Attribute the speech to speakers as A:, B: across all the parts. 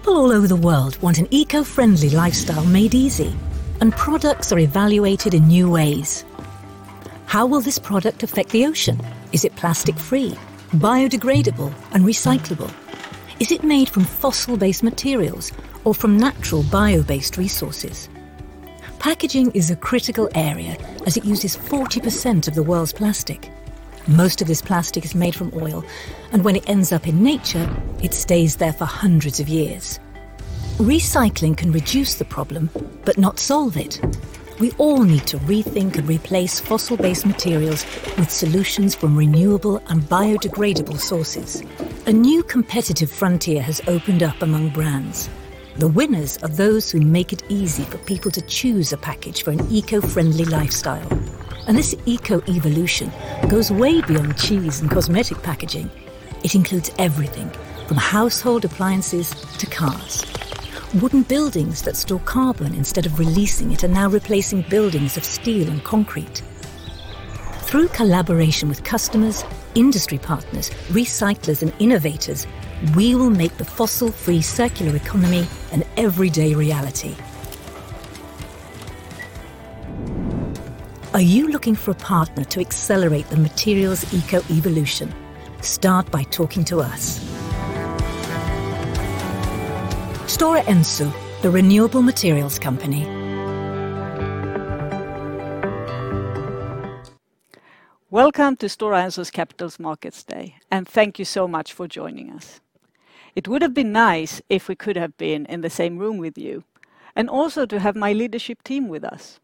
A: People all over the world want an eco-friendly lifestyle made easy and products are evaluated in new ways. How will this product affect the ocean? Is it plastic-free, biodegradable, and recyclable? Is it made from fossil-based materials or from natural bio-based resources? Packaging is a critical area, as it uses 40% of the world's plastic. Most of this plastic is made from oil, and when it ends up in nature, it stays there for 100's of years. Recycling can reduce the problem but not solve it. We all need to rethink and replace fossil-based materials with solutions from renewable and biodegradable sources. A new competitive frontier has opened up among brands. The winners are those who make it easy for people to choose a package for an eco-friendly lifestyle and this eco evolution goes way beyond cheese and cosmetic packaging. It includes everything, from household appliances to cars. Wooden buildings that store carbon instead of releasing it are now replacing buildings of steel and concrete. Through collaboration with customers, industry partners, recyclers, and innovators, we will make the fossil-free circular economy an everyday reality. Are you looking for a partner to accelerate the materials eco evolution? Start by talking to us. Stora Enso, the renewable materials company.
B: Welcome to Stora Enso's Capital Markets Day and thank you so much for joining us. It would've been nice if we could have been in the same room with you, and also to have my leadership team with us,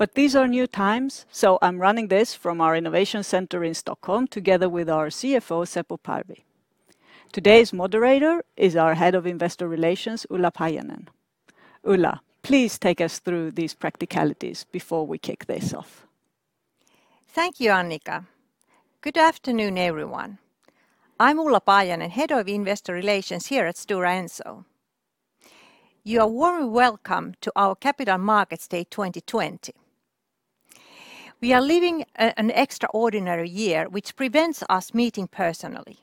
B: but these are new times, so I'm running this from our innovation center in Stockholm, together with our CFO, Seppo Parvi. Today's moderator is our head of investor relations, Ulla Paajanen. Ulla, please take us through these practicalities before we kick this off.
C: Thank you, Annica. Good afternoon, everyone. I'm Ulla Paajanen, Head of Investor Relations here at Stora Enso. You are warm welcome to our Capital Markets Day 2020. We are living an extraordinary year, which prevents us meeting personally.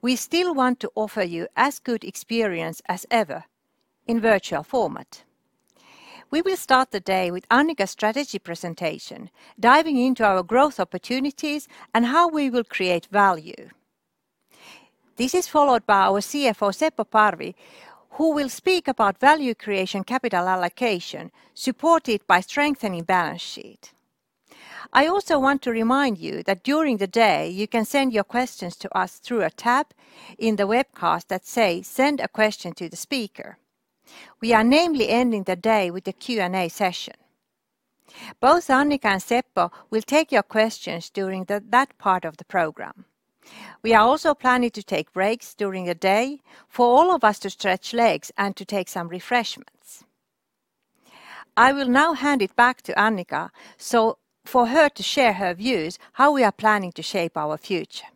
C: We still want to offer you as good experience as ever in virtual format. We will start the day with Annica's strategy presentation, diving into our growth opportunities and how we will create value. This is followed by our CFO, Seppo Parvi, who will speak about value creation capital allocation, supported by strengthening balance sheet. I also want to remind you that during the day, you can send your questions to us through a tab in the webcast that say, "Send a question to the speaker." We are namely ending the day with a Q&A session. Both Annica and Seppo will take your questions during that part of the program. We are also planning to take breaks during the day for all of us to stretch legs and to take some refreshments. I will now hand it back to Annica for her to share her views how we are planning to shape our future.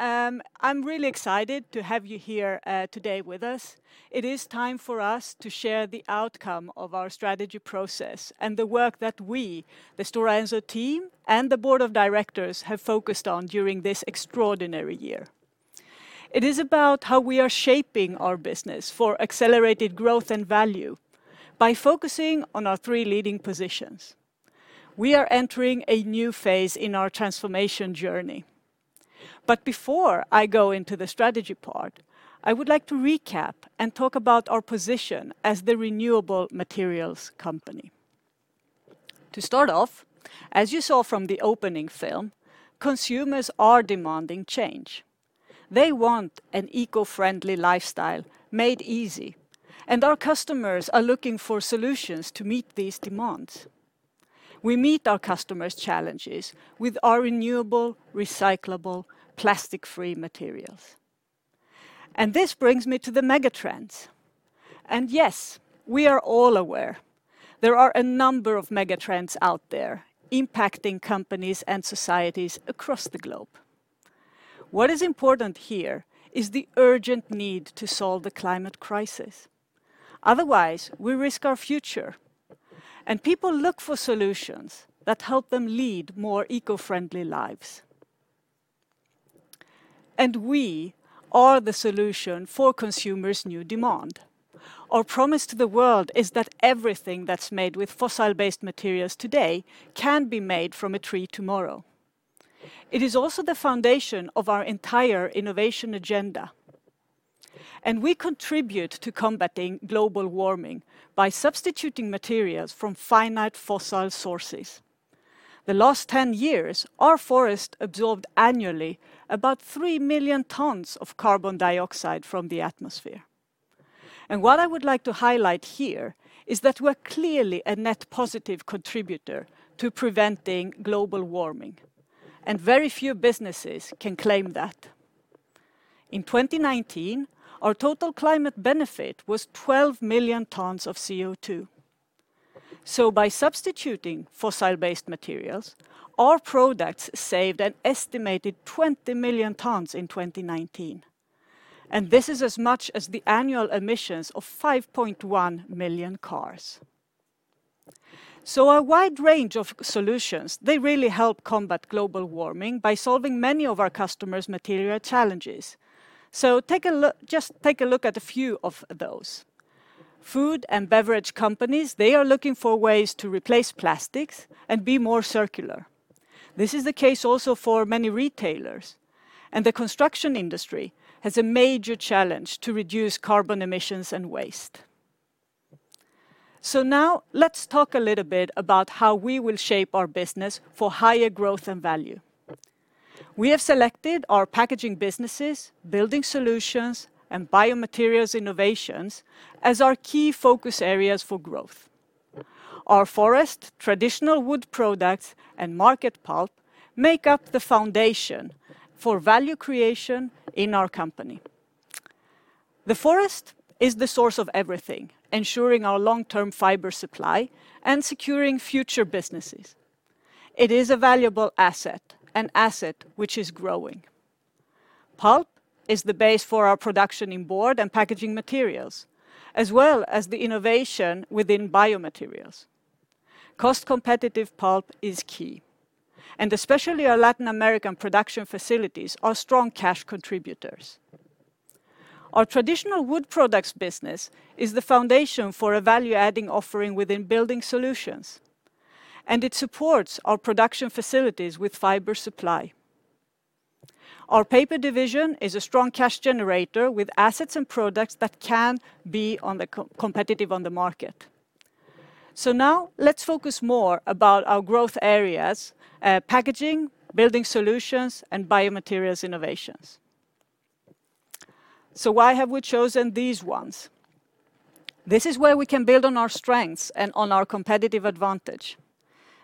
B: I'm really excited to have you here today with us. It is time for us to share the outcome of our strategy process and the work that we, the Stora Enso team and the board of directors, have focused on during this extraordinary year. It is about how we are shaping our business for accelerated growth and value by focusing on our three leading positions. We are entering a new phase in our transformation journey, but before I go into the strategy part, I would like to recap and talk about our position as the renewable materials company. To start off, as you saw from the opening film, consumers are demanding change. They want an eco-friendly lifestyle made easy and our customers are looking for solutions to meet these demands. We meet our customers' challenges with our renewable, recyclable, plastic-free materials, and this brings me to the megatrends. Yes, we are all aware there are a number of megatrends out there impacting companies and societies across the globe. What is important here is the urgent need to solve the climate crisis. Otherwise, we risk our future, and people look for solutions that help them lead more eco-friendly lives, and we are the solution for consumers' new demand. Our promise to the world is that everything that's made with fossil-based materials today can be made from a tree tomorrow. It is also the foundation of our entire innovation agenda and we contribute to combating global warming by substituting materials from finite fossil sources. The last 10 years, our forest absorbed annually about 3 million tons of carbon dioxide from the atmosphere. What I would like to highlight here is that we're clearly a net positive contributor to preventing global warming and very few businesses can claim that. In 2019, our total climate benefit was 12 million tons of CO2. By substituting fossil-based materials, our products saved an estimated 20 million tons in 2019, and this is as much as the annual emissions of 5.1 million cars. A wide range of solutions, they really help combat global warming by solving many of our customers' material challenges, so just take a look at a few of those. Food and beverage companies, they are looking for ways to replace plastics and be more circular. This is a case also for many retailers and the construction industry has a major challenge to reduce carbon emissions and waste. Now let's talk a little bit about how we will shape our business for higher growth and value. We have selected our packaging businesses, Building Solutions, and biomaterials innovations as our key focus areas for growth. Our forest, traditional wood products, and market pulp make up the foundation for value creation in our company. The forest is the source of everything, ensuring our long-term fiber supply and securing future businesses. It is a valuable asset, an asset which is growing. Pulp is the base for our production in board and packaging materials, as well as the innovation within biomaterials. Cost-competitive pulp is key, and especially our Latin American production facilities are strong cash contributors. Our traditional wood products business is the foundation for a value-adding offering within Building Solutions, and it supports our production facilities with fiber supply. Our paper division is a strong cash generator with assets and products that can be competitive on the market. Now, let's focus more about our growth areas: packaging, Building Solutions, and Biomaterials Innovations. Why have we chosen these ones? This is where we can build on our strengths and on our competitive advantage.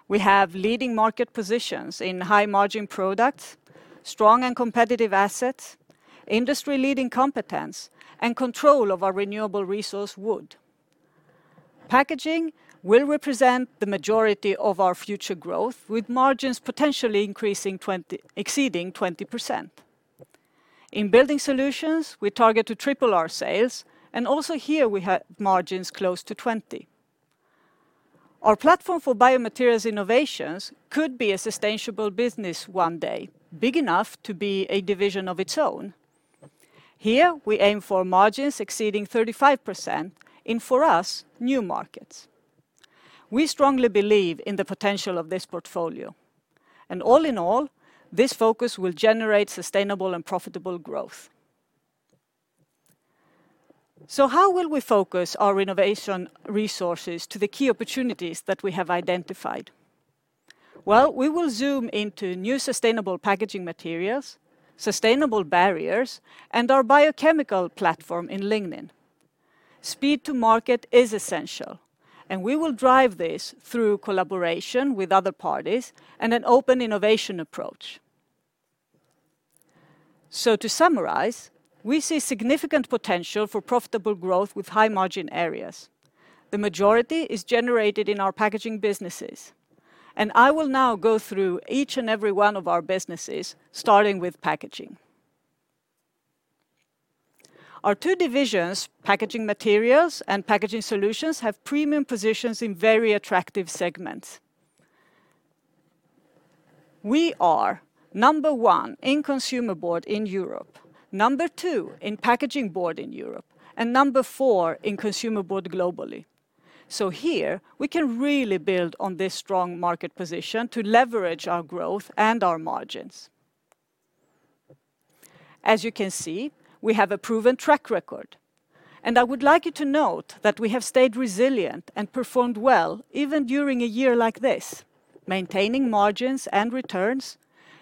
B: We have leading market positions in high-margin products, strong and competitive assets, industry-leading competence, and control of our renewable resource, wood. Packaging will represent the majority of our future growth, with margins potentially exceeding 20%. In Building Solutions, we target to triple our sales, and also here we have margins close to 20%. Our platform for biomaterials innovations could be a sustainable business one day, big enough to be a division of its own. Here, we aim for margins exceeding 35% in, and for us, new markets. We strongly believe in the potential of this portfolio, and all in all, this focus will generate sustainable and profitable growth. How will we focus our innovation resources to the key opportunities that we have identified? Well, we will zoom into new sustainable packaging materials, sustainable barriers, and our biochemical platform in lignin. Speed to market is essential, and we will drive this through collaboration with other parties and an open innovation approach. To summarize, we see significant potential for profitable growth with high-margin areas. The majority is generated in our packaging businesses, and I will now go through each and every one of our businesses starting with packaging. Our two divisions, Packaging Materials and Packaging Solutions have premium positions in very attractive segments. We are number one in consumer board in Europe, number two in packaging board in Europe, and number four in consumer board globally. Here we can really build on this strong market position to leverage our growth and our margins. As you can see, we have a proven track record, and I would like you to note that we have stayed resilient and performed well even during a year like this, maintaining margins and returns,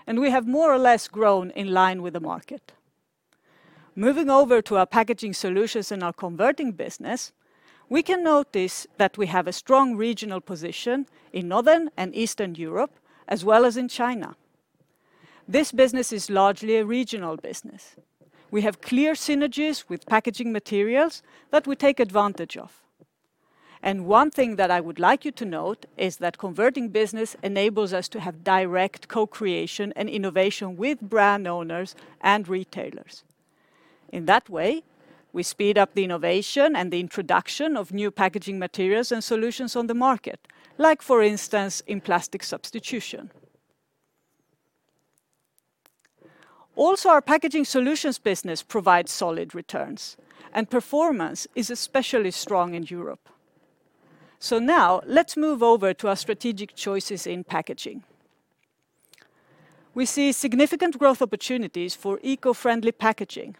B: and we have more or less grown in line with the market. Moving over to our Packaging Solutions and our converting business, we can notice that we have a strong regional position in Northern and Eastern Europe, as well as in China. This business is largely a regional business. We have clear synergies with Packaging Materials that we take advantage of and one thing that I would like you to note is that converting business enables us to have direct co-creation and innovation with brand owners and retailers. In that way, we speed up the innovation and the introduction of new Packaging Materials and solutions on the market, like for instance, in plastic substitution. Also, our Packaging Solutions business provides solid returns, and performance is especially strong in Europe. Now, let's move over to our strategic choices in packaging. We see significant growth opportunities for eco-friendly packaging.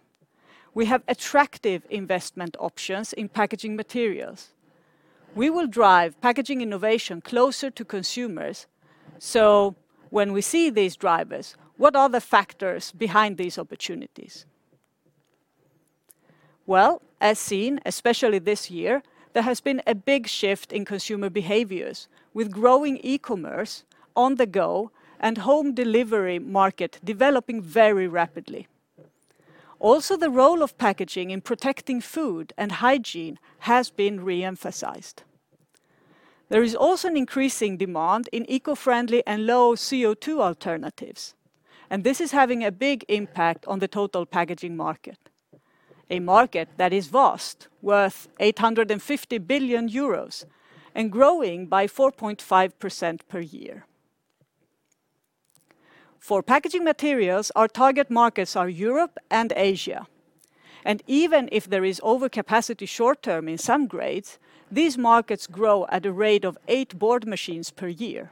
B: We have attractive investment options in Packaging Materials. We will drive packaging innovation closer to consumers, so when we see these drivers, what are the factors behind these opportunities? Well, as seen especially this year, there has been a big shift in consumer behaviors, with growing e-commerce, on-the-go, and home delivery market developing very rapidly. Also, the role of packaging in protecting food and hygiene has been re-emphasized. There is also an increasing demand in eco-friendly and low CO2 alternatives, and this is having a big impact on the total packaging market, a market that is vast, worth 850 billion euros and growing by 4.5% per year. For Packaging Materials, our target markets are Europe and Asia, and even if there is over capacity short-term in some grades, these markets grow at a rate of eight board machines per year.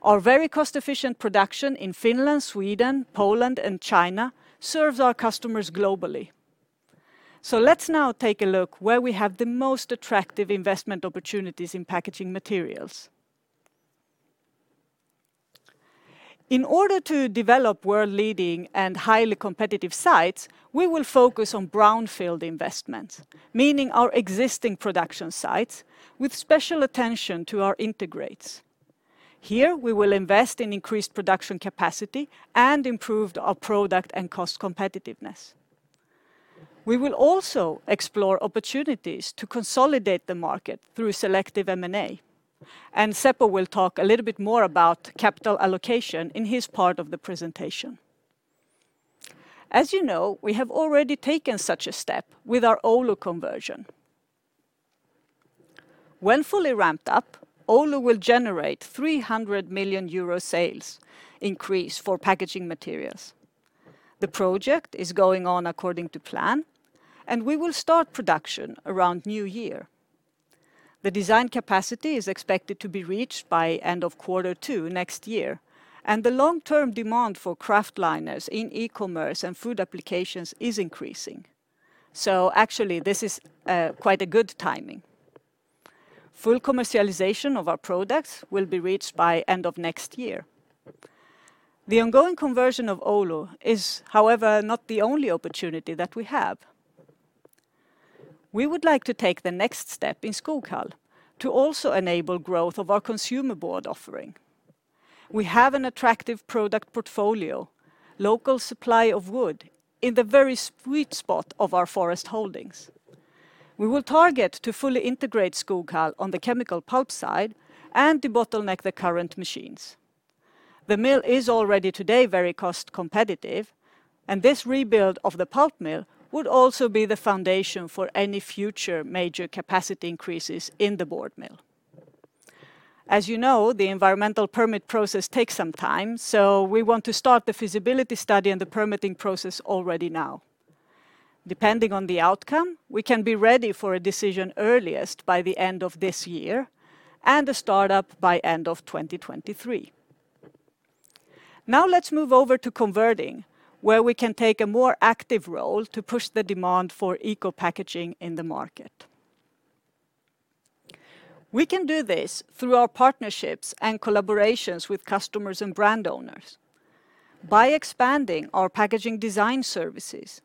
B: Our very cost-efficient production in Finland, Sweden, Poland, and China serves our customers globally. Let's now take a look where we have the most attractive investment opportunities in Packaging Materials. In order to develop world-leading and highly competitive sites, we will focus on brownfield investments, meaning our existing production sites, with special attention to our integrates. Here, we will invest in increased production capacity and improve our product and cost competitiveness. We will also explore opportunities to consolidate the market through selective M&A and Seppo will talk a little bit more about capital allocation in his part of the presentation. As you know, we have already taken such a step with our Oulu conversion. When fully ramped up, Oulu will generate 300 million euro sales increase for Packaging Materials. The project is going on according to plan and we will start production around New Year. The design capacity is expected to be reached by end of quarter two next year, and the long-term demand for kraftliners in e-commerce and food applications is increasing, so actually this is quite a good timing. Full commercialization of our products will be reached by end of next year. The ongoing conversion of Oulu is, however, not the only opportunity that we have. We would like to take the next step in Skoghall to also enable growth of our consumer board offering. We have an attractive product portfolio, local supply of wood in the very sweet spot of our forest holdings. We will target to fully integrate Skoghall on the chemical pulp side and debottleneck the current machines. The mill is already today very cost competitive, and this rebuild of the pulp mill would also be the foundation for any future major capacity increases in the board mill. As you know, the environmental permit process takes some time, we want to start the feasibility study and the permitting process already now. Depending on the outcome, we can be ready for a decision earliest by the end of this year, and a startup by end of 2023. Now, let's move over to converting, where we can take a more active role to push the demand for eco-packaging in the market. We can do this through our partnerships and collaborations with customers and brand owners by expanding our packaging design services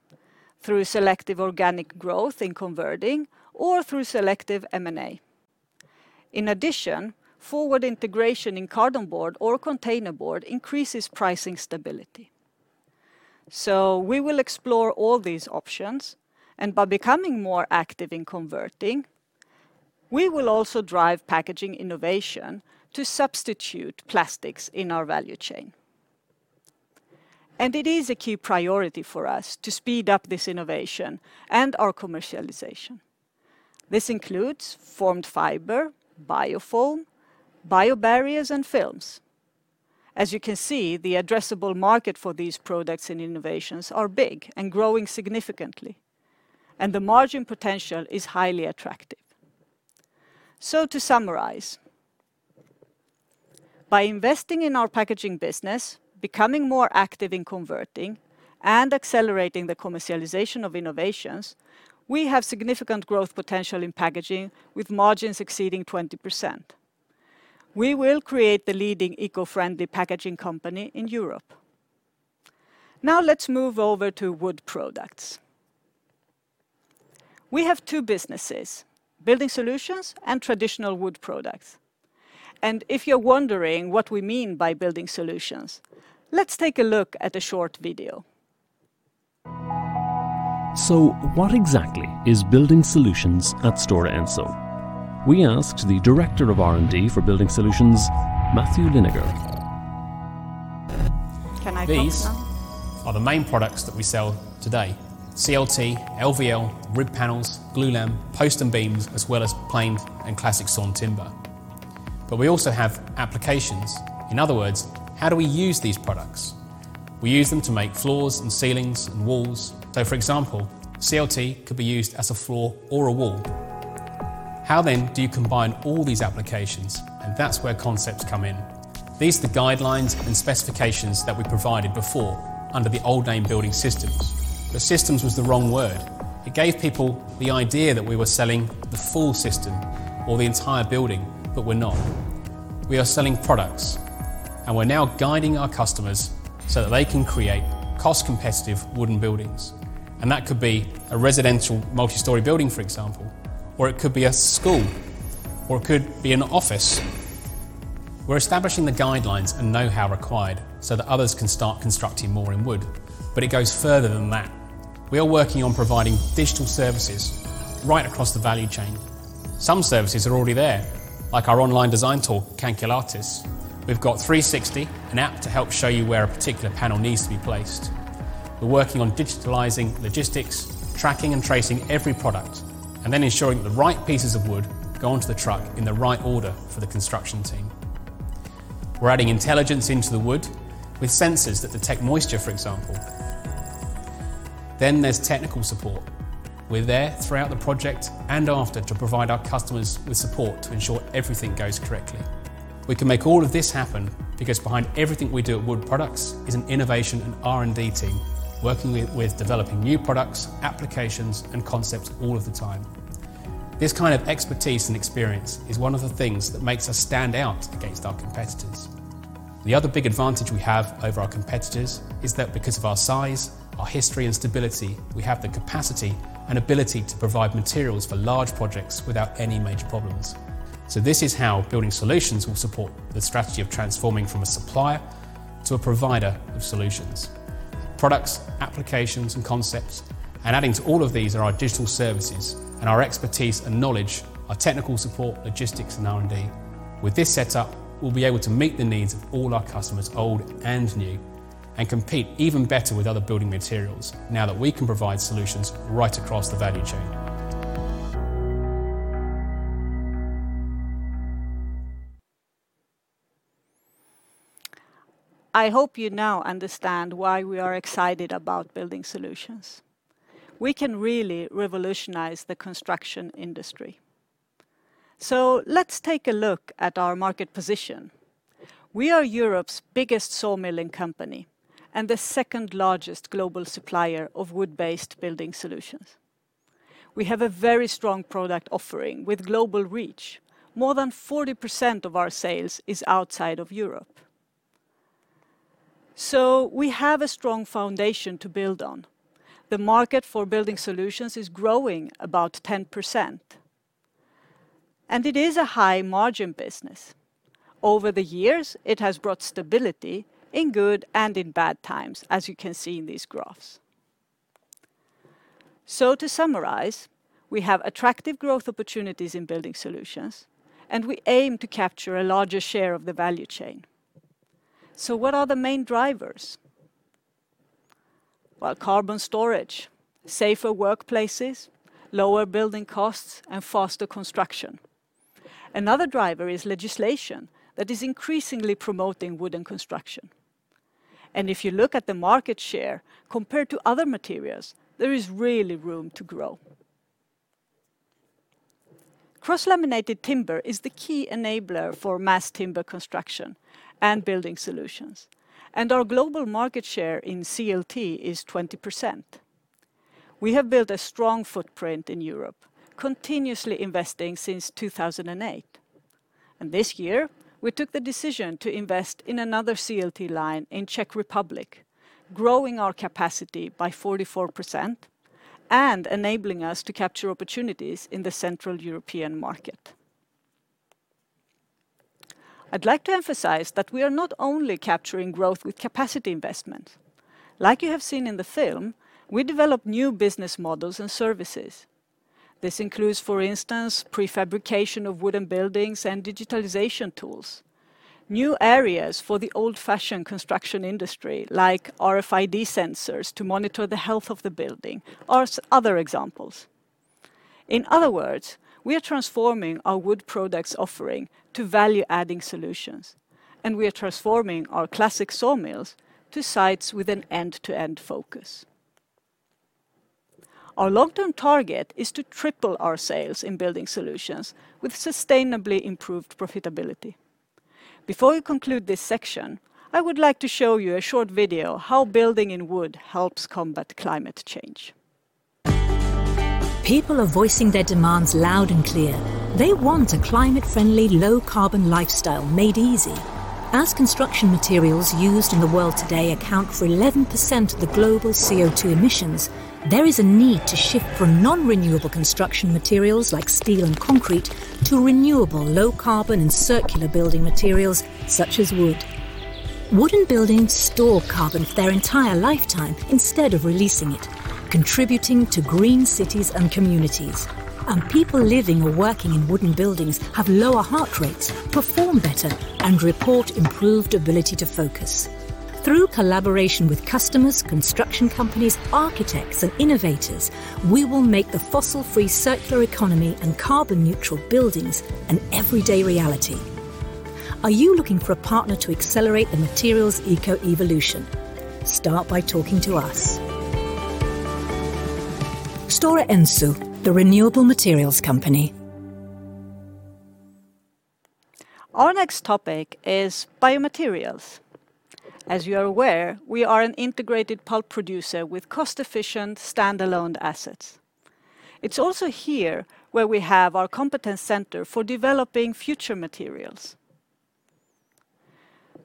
B: through selective organic growth in converting or through selective M&A. In addition, forward integration in carton board or container board increases pricing stability. We will explore all these options, and by becoming more active in converting, we will also drive packaging innovation to substitute plastics in our value chain. It is a key priority for us to speed up this innovation and our commercialization. This includes formed fiber, biofoam, biobarriers, and films. As you can see, the addressable market for these products and innovations are big and growing significantly, and the margin potential is highly attractive. To summarize, by investing in our packaging business, becoming more active in converting, and accelerating the commercialization of innovations, we have significant growth potential in packaging with margins exceeding 20%. We will create the leading eco-friendly packaging company in Europe. Now, let's move over to wood products. We have two businesses, Building Solutions and Traditional Wood Products, and if you're wondering what we mean by Building Solutions, let's take a look at a short video.
A: What exactly is Building Solutions at Stora Enso? We asked the Director of R&D for Building Solutions, Matthew Lininger.
D: These are the main products that we sell today, CLT, LVL, rib panels, glulam, posts and beams, as well as planed and classic sawn timber, but we also have applications. In other words, how do we use these products? We use them to make floors and ceilings and walls. For example, CLT could be used as a floor or a wall. How then do you combine all these applications? That's where concepts come in. These are the guidelines and specifications that we provided before under the old name Building Systems. The Systems was the wrong word. It gave people the idea that we were selling the full system or the entire building but we're not. We are selling products, and we're now guiding our customers, so that they can create cost-competitive wooden buildings. That could be a residential multi-story building, for example, or it could be a school, or it could be an office. We're establishing the guidelines and know-how required so that others can start constructing more in wood, but it goes further than that. We are working on providing digital services right across the value chain. Some services are already there, like our online design tool, Calculatis. We've got 360, an app to help show you where a particular panel needs to be placed. We're working on digitalizing logistics, tracking and tracing every product, and then ensuring the right pieces of wood go onto the truck in the right order for the construction team. We're adding intelligence into the wood with sensors that detect moisture, for example. There's technical support. We're there throughout the project and after to provide our customers with support to ensure everything goes correctly. We can make all of this happen because behind everything we do at wood products is an innovation and R&D team working with developing new products, applications, and concepts all of the time. This kind of expertise and experience is one of the things that makes us stand out against our competitors. The other big advantage we have over our competitors is that because of our size, our history, and stability, we have the capacity and ability to provide materials for large projects without any major problems. This is how Building Solutions will support the strategy of transforming from a supplier to a provider of solutions. Products, applications, and concepts, and adding to all of these are our digital services and our expertise and knowledge, our technical support, logistics, and R&D. With this setup, we'll be able to meet the needs of all our customers, old and new, and compete even better with other building materials now that we can provide solutions right across the value chain.
B: I hope you now understand why we are excited about Building Solutions. We can really revolutionize the construction industry. Let's take a look at our market position. We are Europe's biggest sawmilling company and the second-largest global supplier of wood-based Building Solutions. We have a very strong product offering with global reach. More than 40% of our sales is outside of Europe, so we have a strong foundation to build on. The market for Building Solutions is growing about 10%, and it is a high-margin business. Over the years, it has brought stability in good and in bad times, as you can see in these graphs. To summarize, we have attractive growth opportunities in Building Solutions, and we aim to capture a larger share of the value chain. What are the main drivers? Well, carbon storage, safer workplaces, lower building costs, and faster construction. Another driver is legislation, that is increasingly promoting wooden construction, and if you look at the market share compared to other materials, there is really room to grow. Cross-laminated timber is the key enabler for mass timber construction and Building Solutions, and our global market share in CLT is 20%. We have built a strong footprint in Europe, continuously investing since 2008, and this year, we took the decision to invest in another CLT line in Czech Republic, growing our capacity by 44%, and enabling us to capture opportunities in the Central European market. I'd like to emphasize that we are not only capturing growth with capacity investment. Like you have seen in the film, we develop new business models and services. This includes, for instance, prefabrication of wooden buildings and digitalization tools. New areas for the old-fashioned construction industry, like RFID sensors to monitor the health of the building are other examples. In other words, we are transforming our Wood Products offering to value-adding solutions, and we are transforming our classic sawmills to sites with an end-to-end focus. Our long-term target is to triple our sales in Building Solutions with sustainably improved profitability. Before we conclude this section, I would like to show you a short video how building in wood helps combat climate change.
A: People are voicing their demands loud and clear. They want a climate-friendly, low carbon lifestyle made easy. As construction materials used in the world today account for 11% of the global CO2 emissions, there is a need to shift from non-renewable construction materials like steel and concrete to renewable low carbon and circular building materials such as wood. Wooden buildings store carbon for their entire lifetime instead of releasing it, contributing to green cities and communities, and people living or working in wooden buildings have lower heart rates, perform better, and report improved ability to focus. Through collaboration with customers, construction companies, architects, and innovators, we will make the fossil-free circular economy and carbon-neutral buildings an everyday reality. Are you looking for a partner to accelerate the materials eco-evolution? Start by talking to us. Stora Enso, the renewable materials company.
B: Our next topic is biomaterials. As you are aware, we are an integrated pulp producer with cost-efficient, stand-alone assets. It's also here where we have our competence center for developing future materials.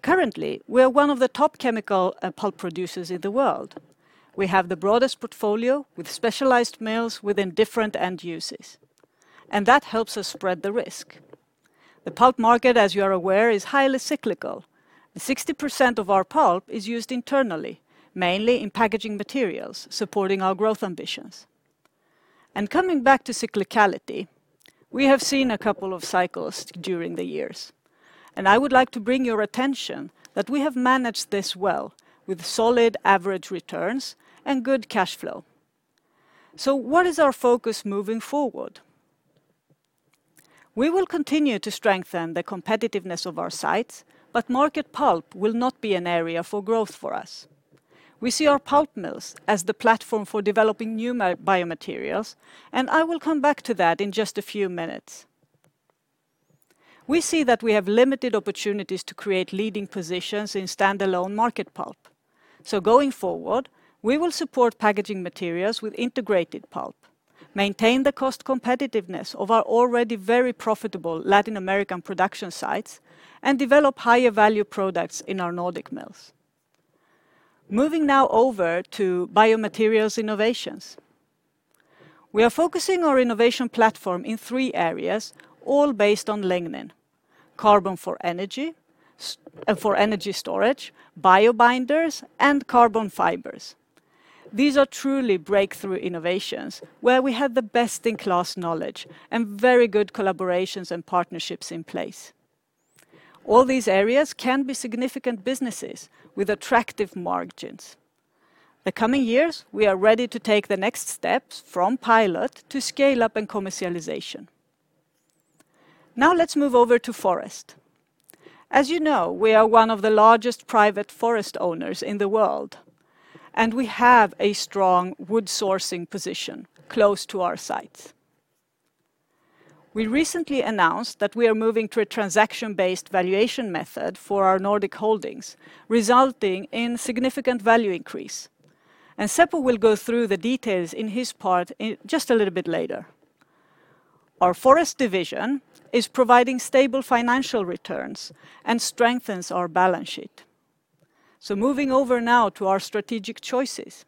B: Currently, we are one of the top chemical pulp producers in the world. We have the broadest portfolio with specialized mills within different end uses, and that helps us spread the risk. The pulp market, as you are aware, is highly cyclical. The 60% of our pulp is used internally, mainly in packaging materials, supporting our growth ambitions. Coming back to cyclicality, we have seen a couple of cycles during the years, and I would like to bring your attention that we have managed this well with solid average returns and good cash flow. What is our focus moving forward? We will continue to strengthen the competitiveness of our sites but market pulp will not be an area for growth for us. We see our pulp mills as the platform for developing new biomaterials and I will come back to that in just a few minutes. We see that we have limited opportunities to create leading positions in standalone market pulp. Going forward, we will support packaging materials with integrated pulp, maintain the cost competitiveness of our already very profitable Latin American production sites, and develop higher value products in our Nordic mills. Moving now over to biomaterials innovations. We are focusing our innovation platform in three areas, all based on lignin, carbon for energy storage, biobinders, and carbon fibers. These are truly breakthrough innovations, where we have the best-in-class knowledge, and very good collaborations and partnerships in place. All these areas can be significant businesses with attractive margins. The coming years, we are ready to take the next steps from pilot to scale-up and commercialization. Now, let's move over to forest. As you know, we are one of the largest private forest owners in the world, and we have a strong wood sourcing position close to our sites. We recently announced that we are moving to a transaction-based valuation method for our Nordic holdings, resulting in significant value increase, and Seppo will go through the details in his part just a little bit later. Our Forest division is providing stable financial returns and strengthens our balance sheet. Moving over now to our strategic choices.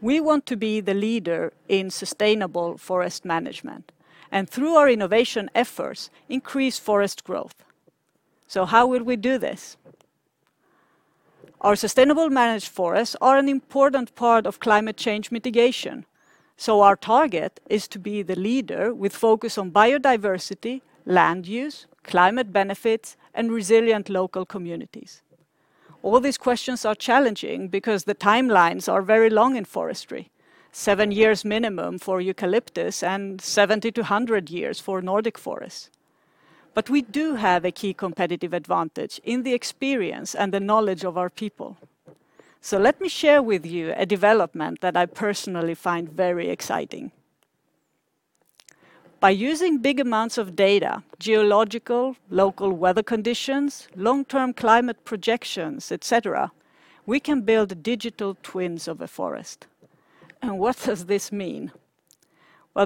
B: We want to be the leader in sustainable forest management and, through our innovation efforts, increase forest growth. How will we do this? Our sustainable managed forests are an important part of climate change mitigation. Our target is to be the leader with focus on biodiversity, land use, climate benefits, and resilient local communities. All these questions are challenging because the timelines are very long in forestry, seven years minimum for eucalyptus and 70 years to 100 years for Nordic forests, but we do have a key competitive advantage in the experience and the knowledge of our people. Let me share with you a development that I personally find very exciting. By using big amounts of data, geological, local weather conditions, long-term climate projections, et cetera, we can build digital twins of the forest. What does this mean?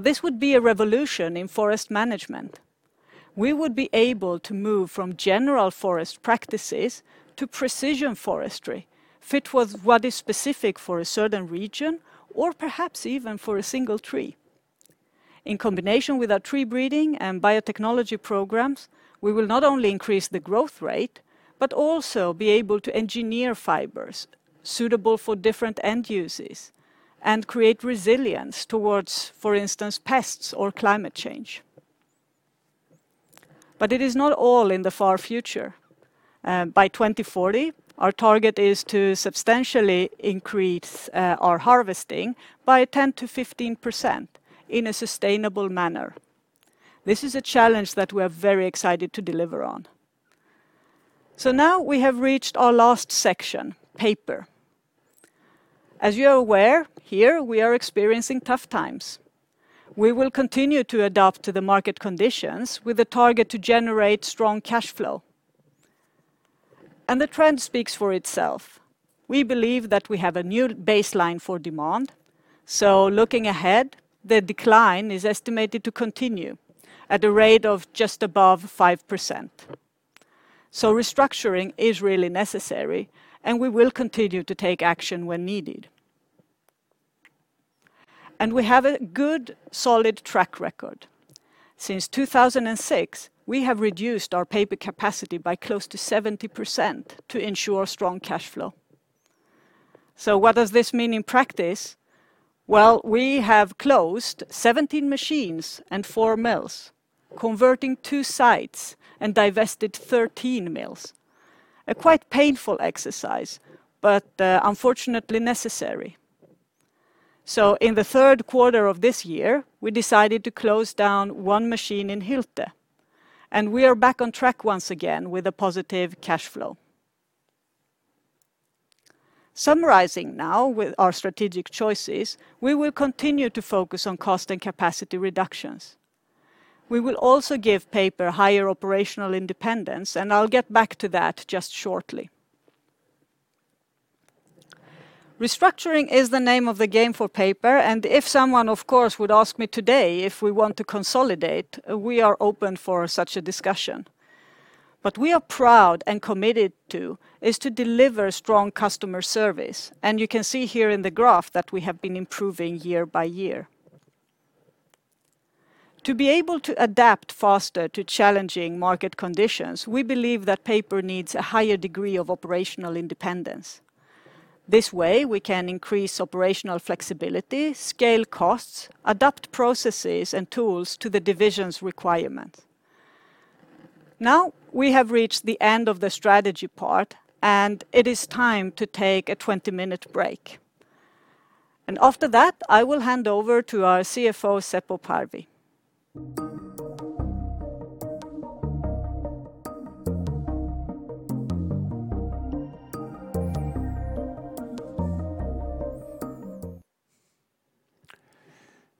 B: This would be a revolution in forest management. We would be able to move from general forest practices to precision forestry, fit with what is specific for a certain region, or perhaps even for a single tree. In combination with our tree breeding and biotechnology programs, we will not only increase the growth rate but also be able to engineer fibers suitable for different end uses and create resilience towards, for instance, pests or climate change, but it is not all in the far future. By 2040, our target is to substantially increase our harvesting by 10% to 15% in a sustainable manner. This is a challenge that we are very excited to deliver on. Now we have reached our last section, paper. As you are aware, here, we are experiencing tough times. We will continue to adapt to the market conditions with a target to generate strong cash flow and the trend speaks for itself. We believe that we have a new baseline for demand, so looking ahead, the decline is estimated to continue at a rate of just above 5%. Restructuring is really necessary and we will continue to take action when needed. We have a good, solid track record. Since 2006, we have reduced our paper capacity by close to 70% to ensure strong cash flow. What does this mean in practice? Well, we have closed 17 machines and four mills, converting two sites and divested 13 mills, a quite painful exercise, but unfortunately necessary. In the third quarter of this year, we decided to close down one machine in Hylte, and we are back on track once again with a positive cash flow. Summarizing now with our strategic choices, we will continue to focus on cost and capacity reductions. We will also give paper higher operational independence and I'll get back to that just shortly. Restructuring is the name of the game for paper, and if someone, of course, would ask me today if we want to consolidate, we are open for such a discussion. What we are proud and committed to is to deliver strong customer service, and you can see here in the graph that we have been improving year by year. To be able to adapt faster to challenging market conditions, we believe that paper needs a higher degree of operational independence. This way, we can increase operational flexibility, scale costs, adapt processes, and tools to the division's requirements. Now we have reached the end of the strategy part, and it is time to take a 20-minute break, and after that, I will hand over to our CFO, Seppo Parvi.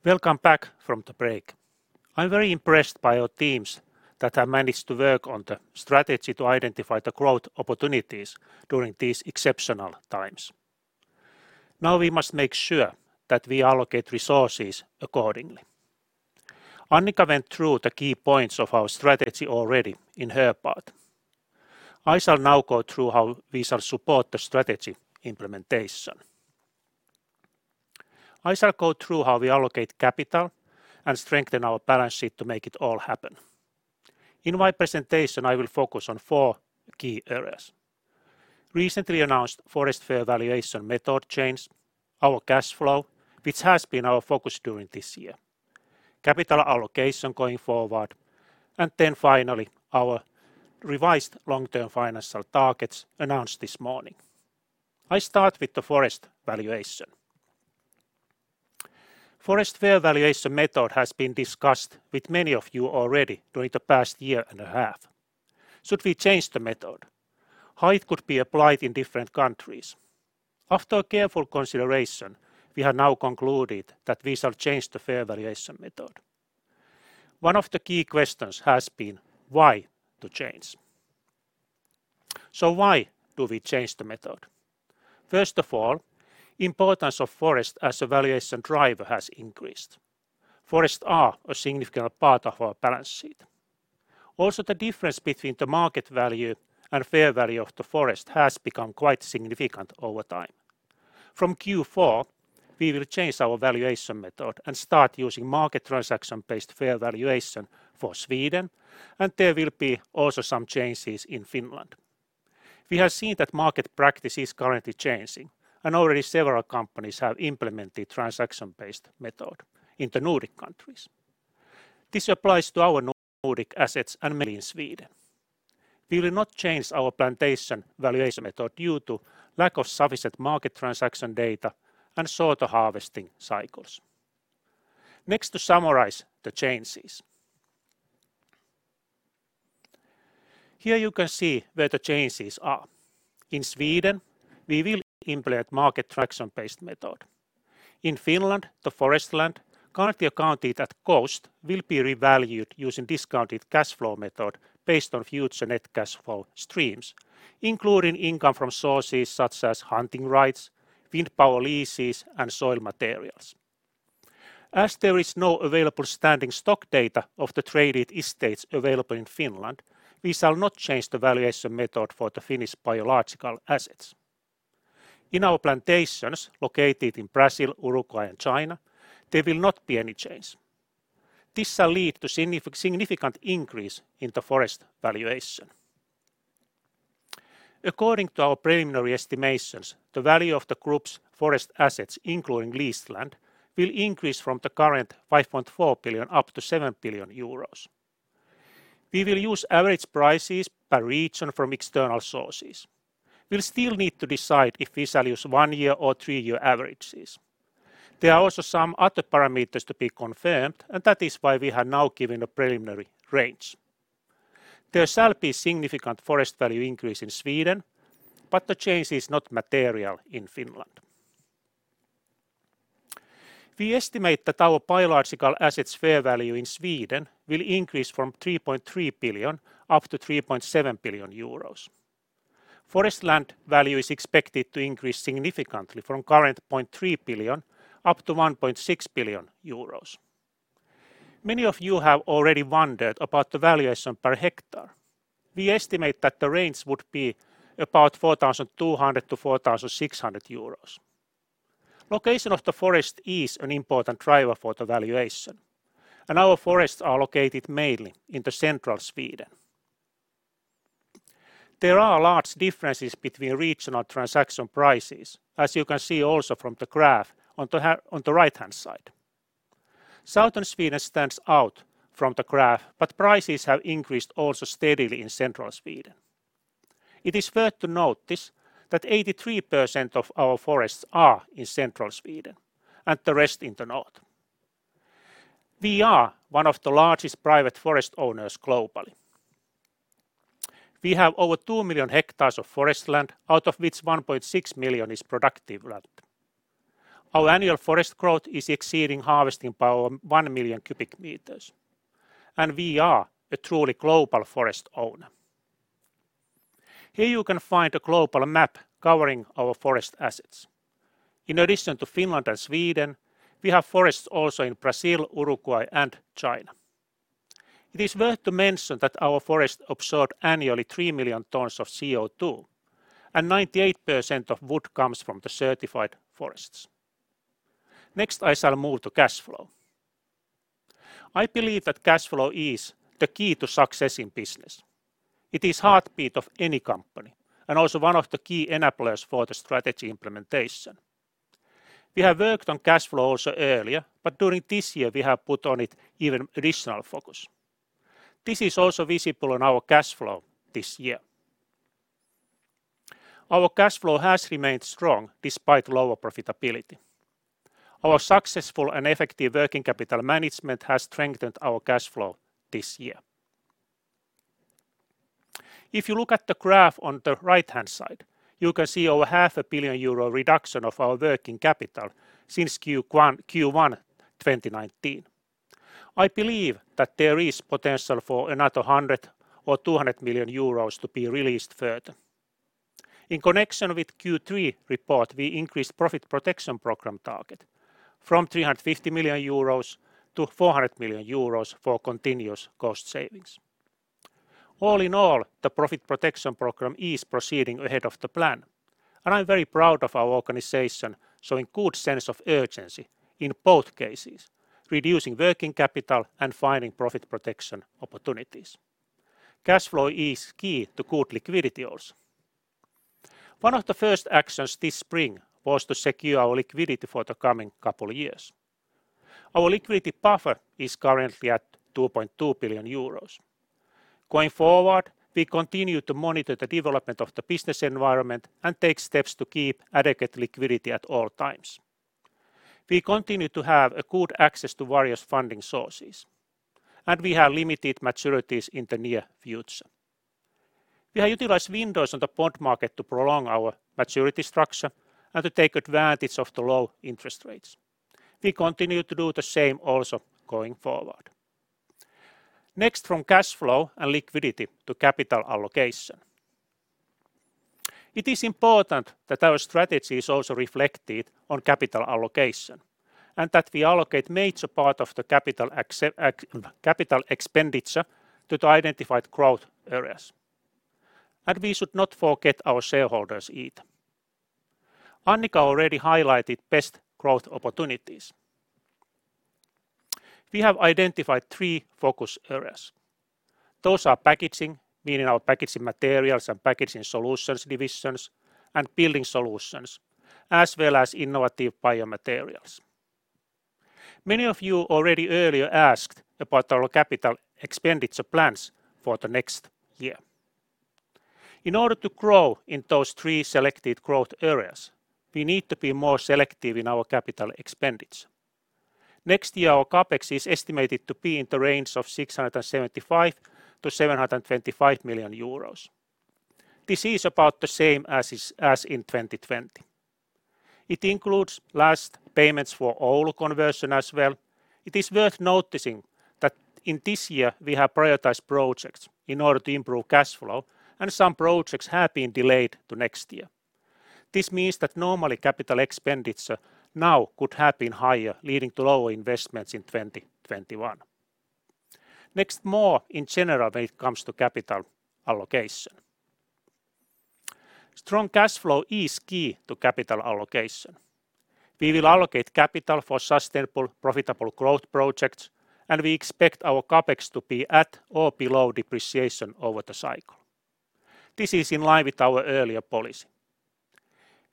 E: Welcome back from the break. I'm very impressed by our teams that have managed to work on the strategy to identify the growth opportunities during these exceptional times. Now we must make sure that we allocate resources accordingly. Annica went through the key points of our strategy already in her part. I shall now go through how we shall support the strategy implementation. I shall go through how we allocate capital and strengthen our balance sheet to make it all happen. In my presentation, I will focus on four key areas: recently announced forest fair valuation method change, our cash flow, which has been our focus during this year, capital allocation going forward, and then finally, our revised long-term financial targets announced this morning. I start with the forest valuation. Forest fair valuation method has been discussed with many of you already during the past year and a half. Should we change the method, how it could be applied in different countries? After careful consideration, we have now concluded that we shall change the fair valuation method. One of the key questions has been why to change. Why do we change the method? First of all, importance of forest as a valuation driver has increased. Forests are a significant part of our balance sheet. Also, the difference between the market value and fair value of the forest has become quite significant over time. From Q4, we will change our valuation method and start using market transaction-based fair valuation for Sweden, and there will be also some changes in Finland. We have seen that market practice is currently changing, and already several companies have implemented transaction-based method in the Nordic countries. This applies to our Nordic assets and mainly in Sweden. We will not change our plantation valuation method due to lack of sufficient market transaction data and shorter harvesting cycles. Next, to summarize the changes. Here you can see where the changes are. In Sweden, we will implement market transaction-based method. In Finland, the forest land currently accounted at cost will be revalued using discounted cash flow method based on future net cash flow streams, including income from sources such as hunting rights, wind power leases, and soil materials. As there is no available standing stock data of the traded estates available in Finland, we shall not change the valuation method for the Finnish biological assets. In our plantations located in Brazil, Uruguay, and China, there will not be any change. This will lead to significant increase in the forest valuation. According to our preliminary estimations, the value of the group's forest assets, including leased land, will increase from the current 5.4 billion up to 7 billion euros. We will use average prices per region from external sources. We'll still need to decide if we shall use one year or three-year averages. There are also some other parameters to be confirmed, and that is why we have now given a preliminary range. There shall be significant forest value increase in Sweden, but the change is not material in Finland. We estimate that our biological assets' fair value in Sweden will increase from 3.3 billion up to 3.7 billion euros. Forest land value is expected to increase significantly from current 300 million up to 1.6 billion euros. Many of you have already wondered about the valuation per hectare. We estimate that the range would be about 4,200 to 4,600 euros. Location of the forest is an important driver for the valuation, and our forests are located mainly into central Sweden. There are large differences between regional transaction prices, as you can see also from the graph on the right-hand side. Southern Sweden stands out from the graph, but prices have increased also steadily in central Sweden. It is worth to notice that 83% of our forests are in central Sweden and the rest in the north. We are one of the largest private forest owners globally. We have over 2 million hectares of forest land, out of which 1.6 million is productive land. Our annual forest growth is exceeding harvesting by over 1 million cu m, and we are a truly global forest owner. Here you can find a global map covering our forest assets. In addition to Finland and Sweden, we have forests also in Brazil, Uruguay, and China. It is worth to mention that our forests absorb annually 3 million tons of CO2 and 98% of wood comes from the certified forests. Next, I shall move to cash flow. I believe that cash flow is the key to success in business. It is heartbeat of any company and also one of the key enablers for the strategy implementation. We have worked on cash flow also earlier but during this year, we have put on it even additional focus. This is also visible on our cash flow this year. Our cash flow has remained strong despite lower profitability. Our successful and effective working capital management has strengthened our cash flow this year. If you look at the graph on the right-hand side, you can see over half a billion EUR reduction of our working capital since Q1 2019. I believe that there is potential for another 100 million or 200 million euros to be released further. In connection with Q3 report, we increased Profit Protection Program target from 350 million euros to 400 million euros for continuous cost savings. All in all, the Profit Protection Program is proceeding ahead of the plan, and I'm very proud of our organization showing good sense of urgency in both cases, reducing working capital and finding profit protection opportunities. Cash flow is key to good liquidity also. One of the first actions this spring was to secure our liquidity for the coming couple years. Our liquidity buffer is currently at 2.2 billion euros. Going forward, we continue to monitor the development of the business environment and take steps to keep adequate liquidity at all times. We continue to have a good access to various funding sources and we have limited maturities in the near future. We have utilized windows on the bond market to prolong our maturity structure and to take advantage of the low interest rates. We continue to do the same also going forward. Next, from cash flow and liquidity to capital allocation. It is important that our strategy is also reflected on capital allocation, and that we allocate major part of the capital expenditure to the identified growth areas, and we should not forget our shareholders either. Annica already highlighted best growth opportunities. We have identified three focus areas. Those are packaging, meaning our Packaging Materials and Packaging Solutions divisions, and Building Solutions, as well as innovative biomaterials. Many of you already earlier asked about our capital expenditure plans for the next year. In order to grow in those three selected growth areas, we need to be more selective in our capital expenditure. Next year, our CapEx is estimated to be in the range of 675 million to 725 million euros. This is about the same as in 2020. It includes last payments for Oulu conversion as well. It is worth noticing that in this year, we have prioritized projects in order to improve cash flow, and some projects have been delayed to next year. This means that normally capital expenditure now could have been higher, leading to lower investments in 2021. Next, more in general when it comes to capital allocation. Strong cash flow is key to capital allocation. We will allocate capital for sustainable, profitable growth projects, and we expect our CapEx to be at or below depreciation over the cycle. This is in line with our earlier policy.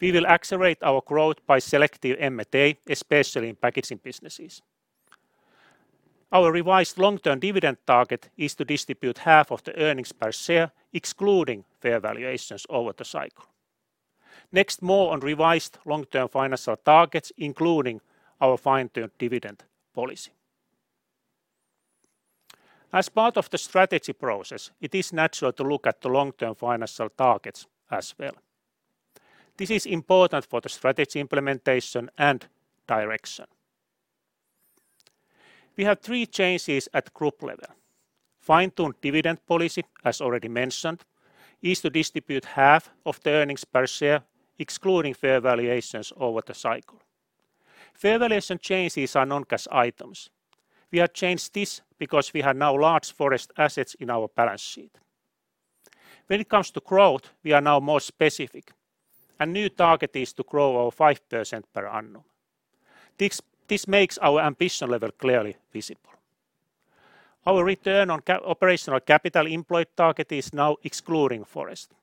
E: We will accelerate our growth by selective M&A, especially in packaging businesses. Our revised long-term dividend target is to distribute half of the earnings per share, excluding fair valuations over the cycle. Next, more on revised long-term financial targets, including our fine-tuned dividend policy. As part of the strategy process, it is natural to look at the long-term financial targets as well. This is important for the strategy implementation and direction. We have three changes at group level. Fine-tuned dividend policy, as already mentioned, is to distribute half of the earnings per share, excluding fair valuations over the cycle. Fair valuation changes are non-cash items. We have changed this because we have now large forest assets in our balance sheet. When it comes to growth, we are now more specific. A new target is to grow over 5% per annum. This makes our ambition level clearly visible. Our return on operational capital employed target is now excluding forest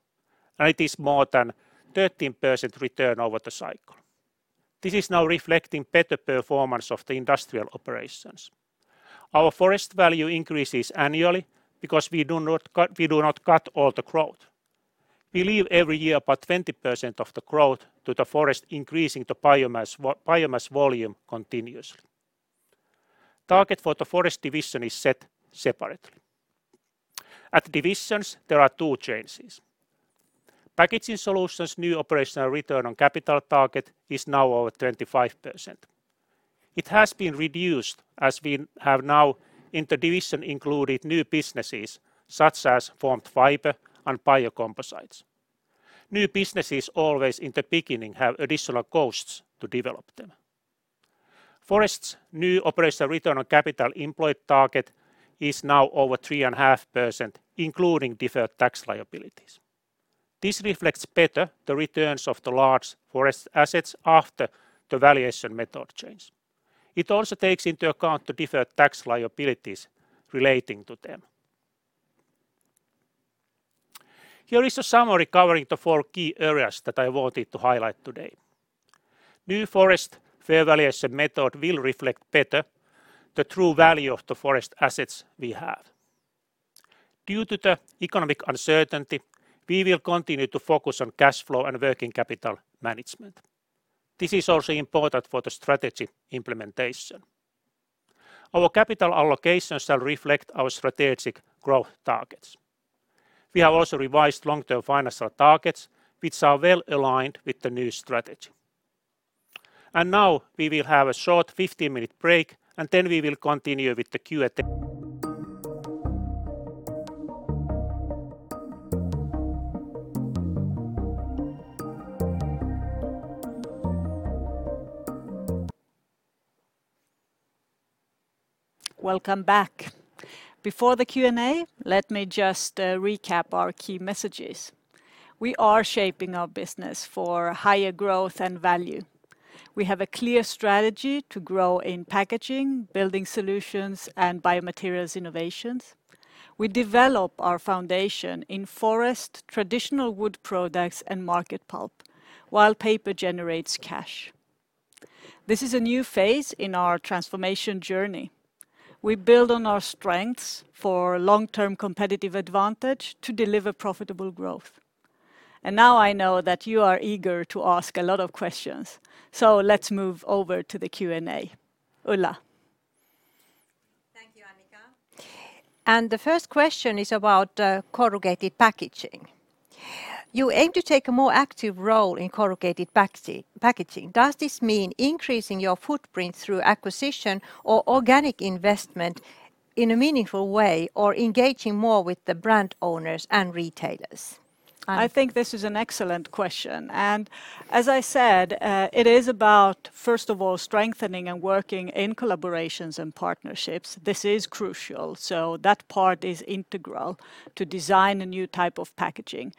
E: and it is more than 13% return over the cycle. This is now reflecting better performance of the industrial operations. Our forest value increases annually because we do not cut all the growth. We leave every year about 20% of the growth to the forest, increasing the biomass volume continuously. Target for the forest division is set separately. At divisions, there are two changes. Packaging Solutions' new operational return on capital target is now over 25%. It has been reduced as we have now in the division included new businesses such as formed fiber and biocomposites. New businesses always in the beginning have additional costs to develop them. Forest's new operational return on capital employed target is now over 3.5%, including deferred tax liabilities. This reflects better the returns of the large forest assets after the valuation method change. It also takes into account the deferred tax liabilities relating to them. Here is a summary covering the four key areas that I wanted to highlight today. New forest fair valuation method will reflect better the true value of the forest assets we have. Due to the economic uncertainty, we will continue to focus on cash flow and working capital management. This is also important for the strategy implementation. Our capital allocations shall reflect our strategic growth targets. We have also revised long-term financial targets, which are well aligned with the new strategy. Now we will have a short 15-minute break, and then we will continue with the Q&A.
B: Welcome back. Before the Q&A, let me just recap our key messages. We are shaping our business for higher growth and value. We have a clear strategy to grow in packaging, Building Solutions, and biomaterials innovations. We develop our foundation in forest, traditional wood products, and market pulp while paper generates cash. This is a new phase in our transformation journey. We build on our strengths for long-term competitive advantage to deliver profitable growth. Now I know that you are eager to ask a lot of questions, so let's move over to the Q&A. Ulla.
C: Thank you, Annica, and the first question is about corrugated packaging. You aim to take a more active role in corrugated packaging. Does this mean increasing your footprint through acquisition or organic investment in a meaningful way or engaging more with the brand owners and retailers? Annica.
B: I think this is an excellent question. As I said, it is about, first of all, strengthening and working in collaborations and partnerships. This is crucial, that part is integral to design a new type of packaging.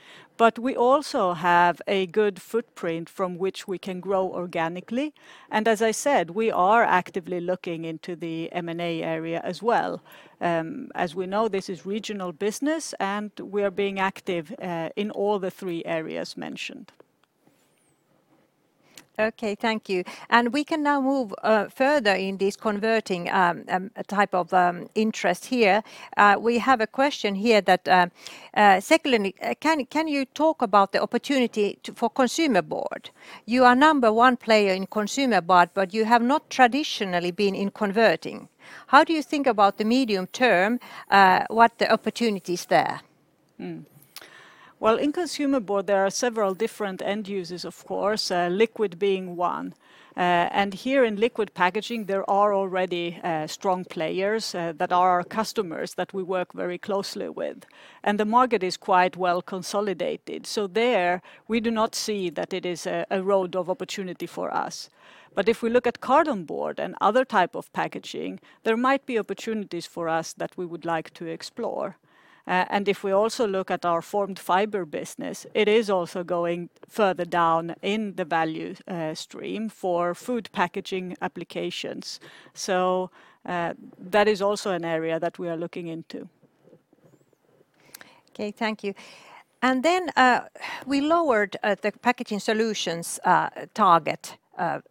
B: We also have a good footprint from which we can grow organically. As I said, we are actively looking into the M&A area as well. As we know, this is regional business, we are being active in all the three areas mentioned.
C: Okay. Thank you. We can now move further in this converting type of interest here. We have a question here that secondly, can you talk about the opportunity for consumer board? You are number one player in consumer board, but you have not traditionally been in converting. How do you think about the medium term, what are the opportunities there?
B: Well, in consumer board, there are several different end users, of course, liquid being one. Here in liquid packaging, there are already strong players that are our customers that we work very closely with, and the market is quite well consolidated, so there we do not see that it is a road of opportunity for us. If we look at carton board and other type of packaging, there might be opportunities for us that we would like to explore. If we also look at our Formed Fiber business, it is also going further down in the value stream for food packaging applications. That is also an area that we are looking into.
C: Okay, thank you, and then we lowered the Packaging Solutions target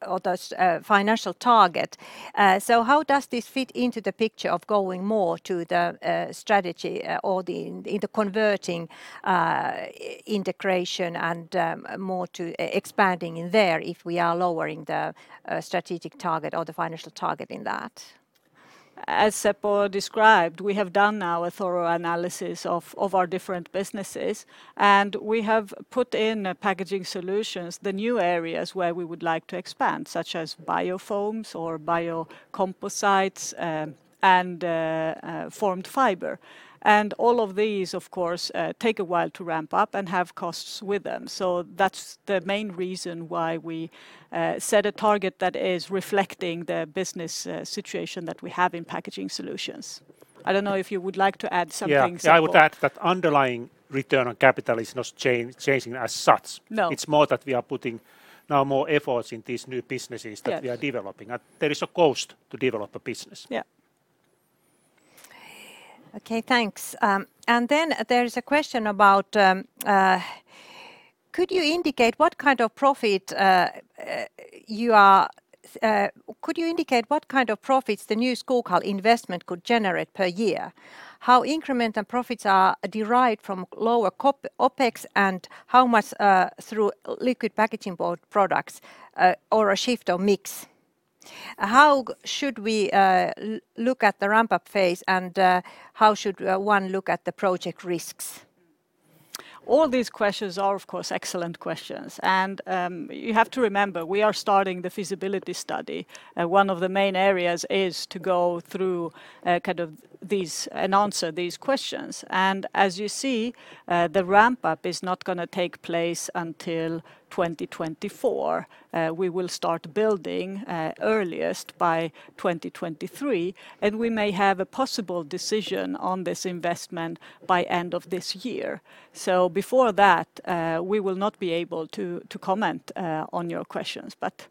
C: or the financial target. How does this fit into the picture of going more to the strategy or in the converting integration and more to expanding in there if we are lowering the strategic target or the financial target in that?
B: As Seppo described, we have done now a thorough analysis of our different businesses, and we have put in Packaging Solutions, the new areas where we would like to expand, such as Biofoams or Biocomposites and Formed Fiber, and all of these, of course, take a while to ramp up and have costs with them. That's the main reason why we set a target that is reflecting the business situation that we have in Packaging Solutions. I don't know if you would like to add something, Seppo.
E: Yeah. I would add that underlying return on capital is not changing as such.
B: No.
E: It's more that we are putting now more efforts in these new businesses.
B: Yes
E: That we are developing and there is a cost to develop a business.
B: Yeah.
C: Okay, thanks, and then there's a question about, could you indicate what kind of profits the new Skoghall investment could generate per year? How incremental profits are derived from lower OpEx, and how much through liquid packaging board products, or a shift of mix? How should we look at the ramp-up phase and how should one look at the project risks?
B: All these questions are, of course, excellent questions, and you have to remember, we are starting the feasibility study. One of the main areas is to go through these and answer these questions. As you see, the ramp-up is not going to take place until 2024. We will start building earliest by 2023 and we may have a possible decision on this investment by end of this year. Before that, we will not be able to comment on your questions, but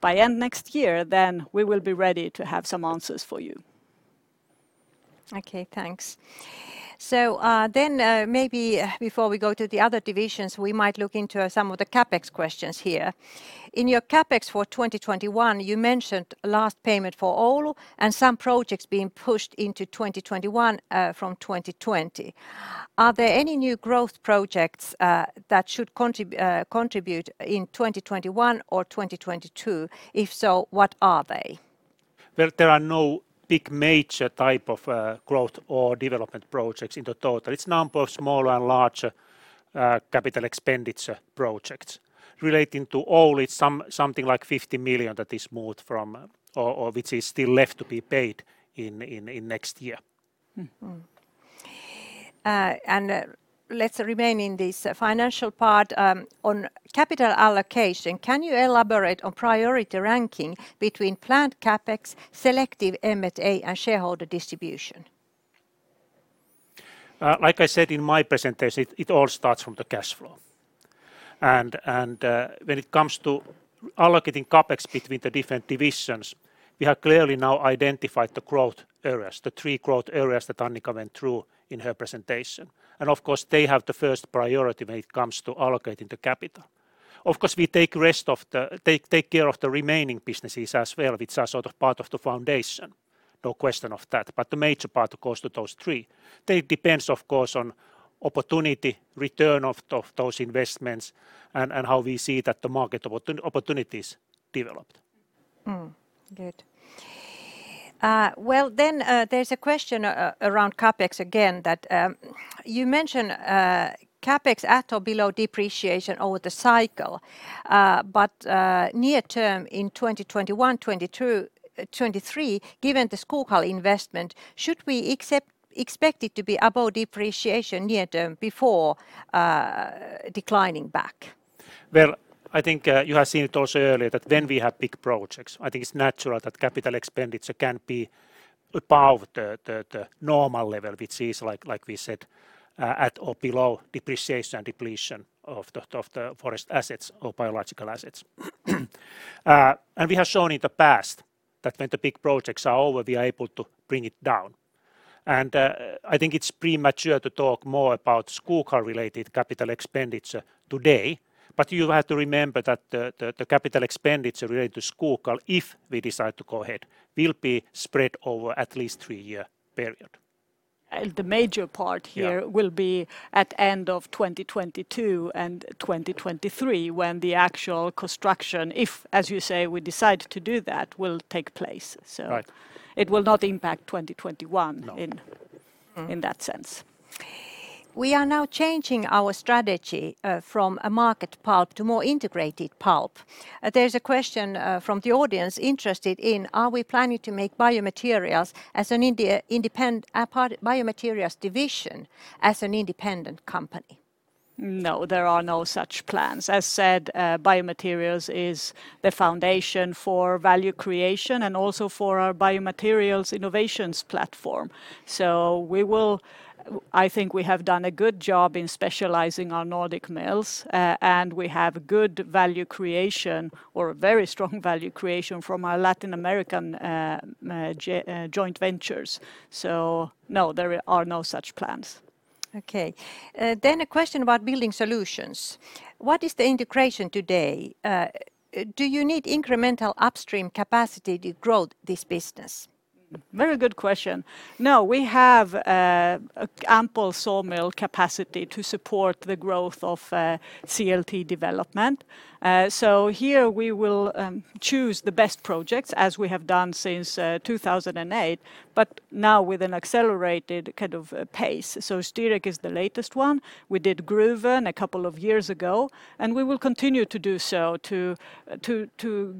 B: by end next year, we will be ready to have some answers for you.
C: Okay, thanks, so then maybe before we go to the other divisions, we might look into some of the CapEx questions here. In your CapEx for 2021, you mentioned last payment for Oulu and some projects being pushed into 2021 from 2020. Are there any new growth projects that should contribute in 2021 or 2022, if so, what are they?
E: Well, there are no big major type of growth or development projects in the total. It's a number of small and large capital expenditure projects, relating to Oulu, it's something like 50 million that is moved from, or which is still left to be paid in next year.
C: Let's remain in this financial part, on capital allocation, can you elaborate on priority ranking between planned CapEx, selective M&A, and shareholder distribution?
E: Like I said in my presentation, it all starts from the cash flow. When it comes to allocating CapEx between the different divisions, we have clearly now identified the growth areas, the three growth areas that Annica went through in her presentation and, of course, they have the first priority when it comes to allocating the capital. Of course, we take care of the remaining businesses as well, which are sort of part of the foundation. No question of that, but the major part goes to those three. It depends, of course, on opportunity, return of those investments, and how we see that the market opportunities develop.
C: Good. Well, then there's a question around CapEx again, that you mentioned CapEx at or below depreciation over the cycle, but near term in 2021, 2022, 2023, given the Skoghall investment, should we expect it to be above depreciation near term before declining back?
E: Well, I think you have seen it also earlier that when we have big projects, I think it's natural that capital expenditure can be above the normal level, which is, like we said, at or below depreciation, depletion of the forest assets or biological assets. We have shown in the past that when the big projects are over, we are able to bring it down. I think it's premature to talk more about Skoghall-related capital expenditure today, but you have to remember that the capital expenditure related to Skoghall, if we decide to go ahead, will be spread over at least a three-year period.
B: The major part here will be at end of 2022 and 2023 when the actual construction, if, as you say, we decide to do that, will take place, so.
E: Right.
B: It will not impact 2021.
E: No
B: In that sense.
C: We are now changing our strategy from a market pulp to more integrated pulp. There is a question from the audience interested in, are we planning to make Biomaterials division as an independent company?
B: No, there are no such plans. As said, biomaterials is the foundation for value creation and also for our biomaterials innovations platform. I think we have done a good job in specializing our Nordic mills and we have good value creation or a very strong value creation from our Latin American joint ventures. No, there are no such plans.
C: Okay, then a question about Building Solutions. What is the integration today? Do you need incremental upstream capacity to grow this business?
B: Very good question. No, we have ample sawmill capacity to support the growth of CLT development. Here, we will choose the best projects, as we have done since 2008, but now with an accelerated kind of pace. Ždírec is the latest one. We did Gruvön a couple of years ago, and we will continue to do so to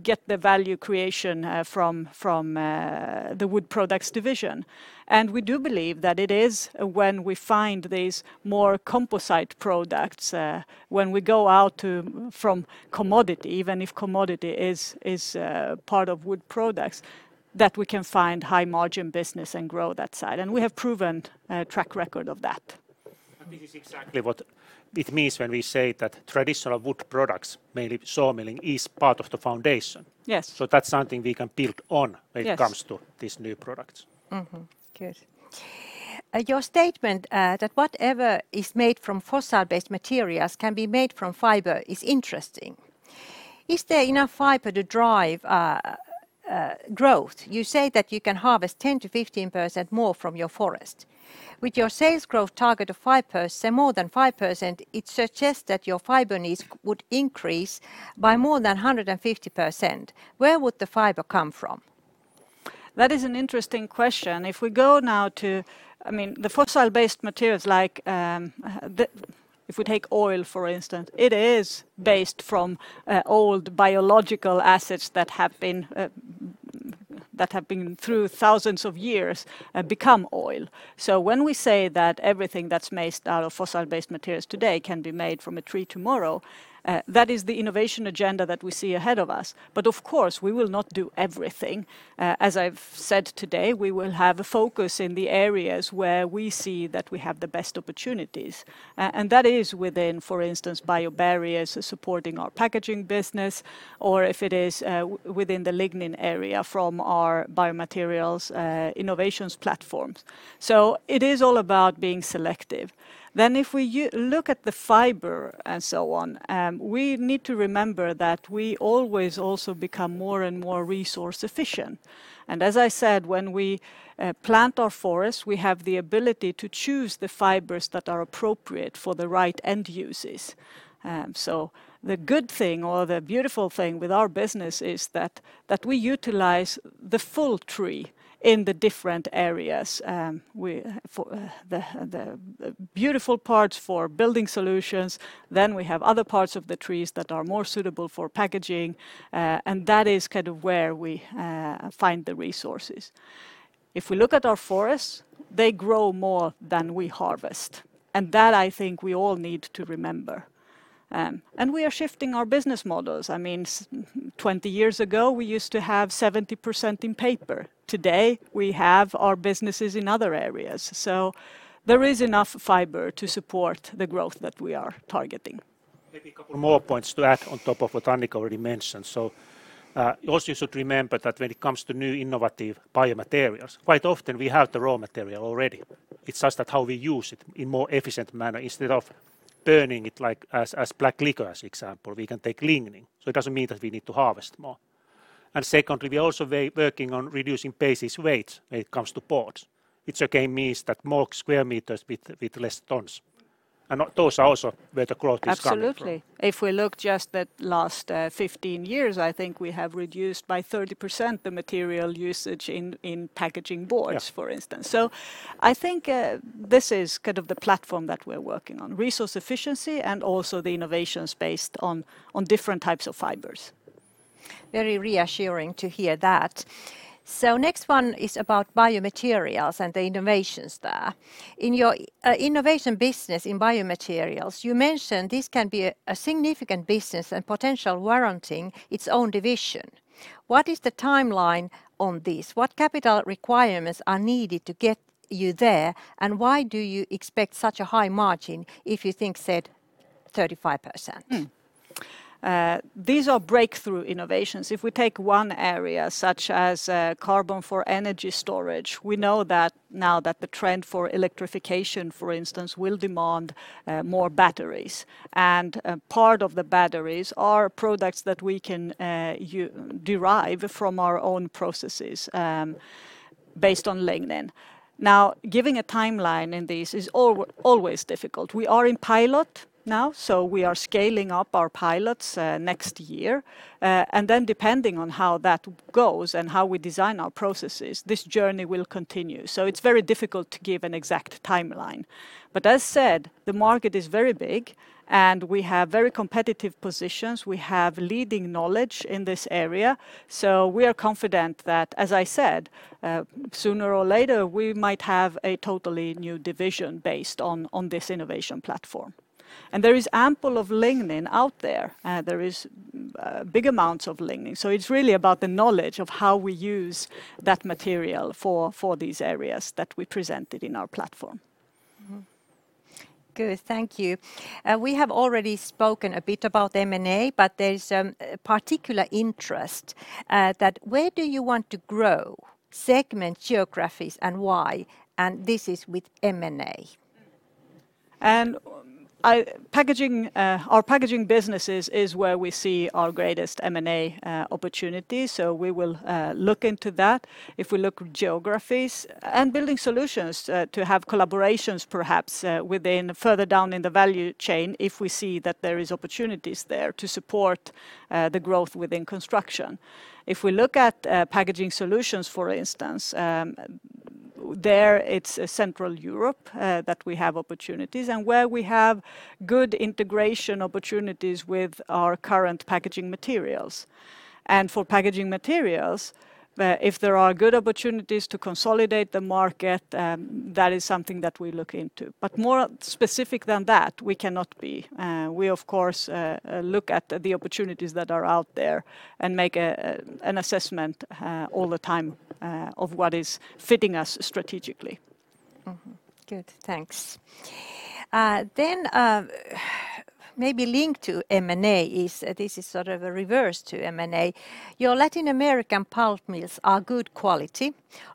B: get the value creation from the Wood Products division. We do believe that it is when we find these more composite products, when we go out from commodity, even if commodity is part of wood products, that we can find high margin business and grow that side, and we have proven track record of that.
E: This is exactly what it means when we say that traditional wood products, mainly sawmilling, is part of the foundation.
B: Yes.
E: That's something we can build on when it comes to these new products.
C: Good. Your statement that whatever is made from fossil-based materials can be made from fiber is interesting. Is there enough fiber to drive growth? You say that you can harvest 10% to 15% more from your forest. With your sales growth target of more than 5%, it suggests that your fiber needs would increase by more than 150%. Where would the fiber come from?
B: That is an interesting question. The fossil-based materials, if we take oil, for instance, it is based from old biological assets that have through thousands of years become oil. When we say that everything that's made out of fossil-based materials today can be made from a tree tomorrow, that is the innovation agenda that we see ahead of us but, of course, we will not do everything. As I've said today, we will have a focus in the areas where we see that we have the best opportunities. That is within, for instance, Biobarriers supporting our packaging business, or if it is within the lignin area from our Biomaterials Innovations Platforms. It is all about being selective. If we look at the fiber and so on, we need to remember that we always also become more and more resource efficient. As I said, when we plant our forests, we have the ability to choose the fibers that are appropriate for the right end uses. The good thing or the beautiful thing with our business is that, that we utilize the full tree in the different areas. The beautiful parts for Building Solutions, then we have other parts of the trees that are more suitable for packaging, and that is where we find the resources. If we look at our forests, they grow more than we harvest, and that I think we all need to remember. We are shifting our business models. 20 years ago, we used to have 70% in paper. Today, we have our businesses in other areas, so there is enough fiber to support the growth that we are targeting.
E: Maybe a couple more points to add on top of what Annica already mentioned. You also should remember that when it comes to new innovative biomaterials, quite often we have the raw material already. It's just that how we use it in more efficient manner, instead of burning it like as black liquor as example, we can take lignin. It doesn't mean that we need to harvest more. Secondly, we're also working on reducing basis weight when it comes to boards, which again means that more square meters with less tons. Those are also where the growth is coming from.
B: Absolutely, if we look just at last 15 years, I think we have reduced by 30% the material usage in packaging boards for instance. I think this is kind of the platform that we're working on, resource efficiency and also the innovations based on different types of fibers.
C: Very reassuring to hear that, so next one is about biomaterials, and the innovations there. In your innovation business in biomaterials, you mentioned this can be a significant business and potential warranting its own division. What is the timeline on this? What capital requirements are needed to get you there, and why do you expect such a high margin if you think said 35%?
B: These are breakthrough innovations. If we take one area such as carbon for energy storage, we know that now that the trend for electrification, for instance, will demand more batteries, and part of the batteries are products that we can derive from our own processes based on lignin. Now giving a timeline in this is always difficult. We are in pilot now, so we are scaling up our pilots next year. Depending on how that goes and how we design our processes, this journey will continue. It's very difficult to give an exact timeline. As said, the market is very big and we have very competitive positions. We have leading knowledge in this area, so we are confident that, as I said, sooner or later, we might have a totally new division based on this innovation platform. There is ample of lignin out there. There is big amounts of lignin. It's really about the knowledge of how we use that material for these areas that we presented in our platform.
C: Good. Thank you. We have already spoken a bit about M&A, but there is a particular interest that where do you want to grow, segment geographies, and why? This is with M&A.
B: Our Packaging businesses is where we see our greatest M&A opportunities. We will look into that. If we look geographies and Building Solutions to have collaborations perhaps within further down in the value chain if we see that there is opportunities there to support the growth within construction. If we look at Packaging Solutions, for instance, there it's Central Europe that we have opportunities and where we have good integration opportunities with our current Packaging Materials. For Packaging Materials, if there are good opportunities to consolidate the market, that is something that we look into, but more specific than that, we cannot be. We of course look at the opportunities that are out there and make an assessment all the time of what is fitting us strategically.
C: Good, thanks, then maybe linked to M&A is, this is sort of a reverse to M&A. Your Latin American pulp mills are good quality,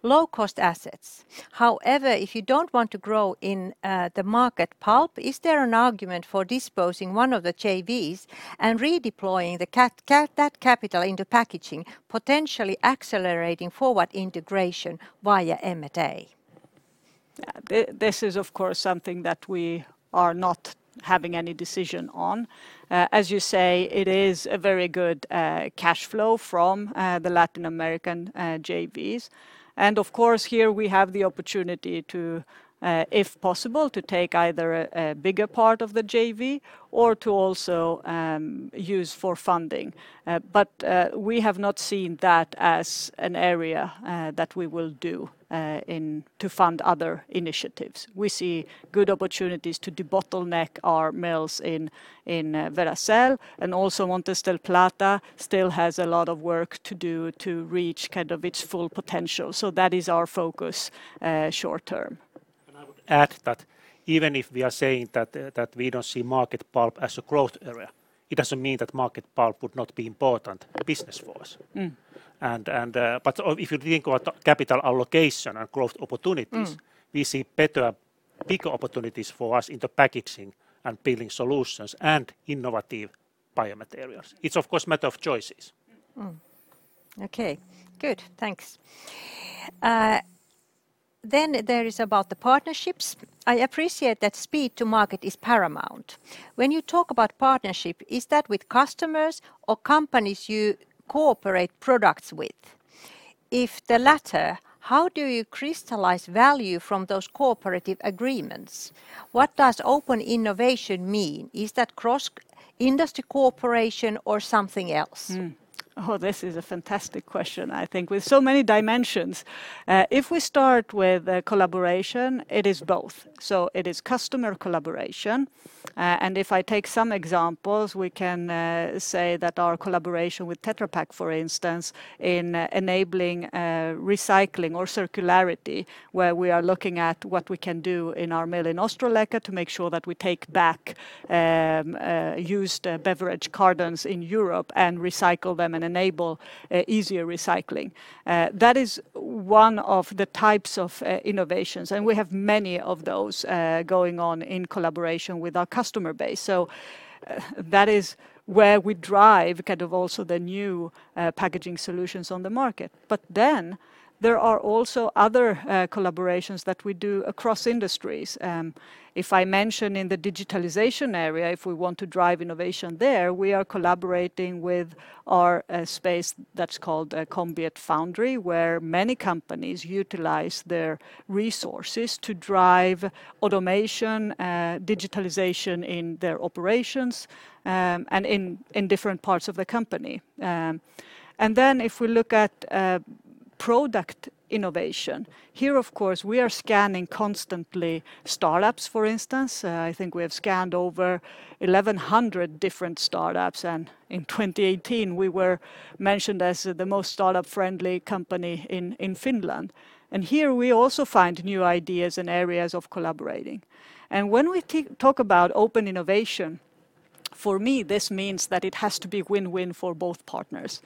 C: low cost assets. However, if you don't want to grow in the market pulp, is there an argument for disposing one of the JVs and redeploying that capital into packaging, potentially accelerating forward integration via M&A?
B: Yeah. This is, of course, something that we are not having any decision on. As you say, it is a very good cash flow from the Latin American JVs and, of course, here we have the opportunity, if possible, to take either a bigger part of the JV or to also use for funding. We have not seen that as an area that we will do to fund other initiatives. We see good opportunities to debottleneck our mills in Veracel and also Montes del Plata still has a lot of work to do to reach its full potential. That is our focus short term.
E: I would add that even if we are saying that we don't see market pulp as a growth area, it doesn't mean that market pulp would not be important business for us. If you think about capital allocation and growth opportunities. We see bigger opportunities for us in the packaging and Building Solutions and innovative biomaterials. It's, of course, matter of choices.
C: Okay, good, thanks. There is about the partnerships. I appreciate that speed to market is paramount. When you talk about partnership, is that with customers or companies you cooperate products with? If the latter, how do you crystallize value from those cooperative agreements? What does open innovation mean? Is that cross-industry cooperation or something else?
B: This is a fantastic question, I think. With so many dimensions, if we start with collaboration, it is both, so it is customer collaboration. If I take some examples, we can say that our collaboration with Tetra Pak, for instance, in enabling recycling or circularity, where we are looking at what we can do in our mill in Ostrołęka to make sure that we take back used beverage cartons in Europe and recycle them and enable easier recycling. That is one of the types of innovations, and we have many of those going on in collaboration with our customer base. That is where we drive, also, the new Packaging Solutions on the market. There are also other collaborations that we do across industries. If I mention in the digitalization area, if we want to drive innovation there, we are collaborating with our space that's called Combient Foundry, where many companies utilize their resources to drive automation, digitalization in their operations, and in different parts of the company. If we look at product innovation, here, of course, we are scanning constantly startups, for instance. I think we have scanned over 1,100 different startups, and in 2018, we were mentioned as the most startup-friendly company in Finland. Here we also find new ideas and areas of collaborating. When we talk about open innovation, for me, this means that it has to be win-win for both partners.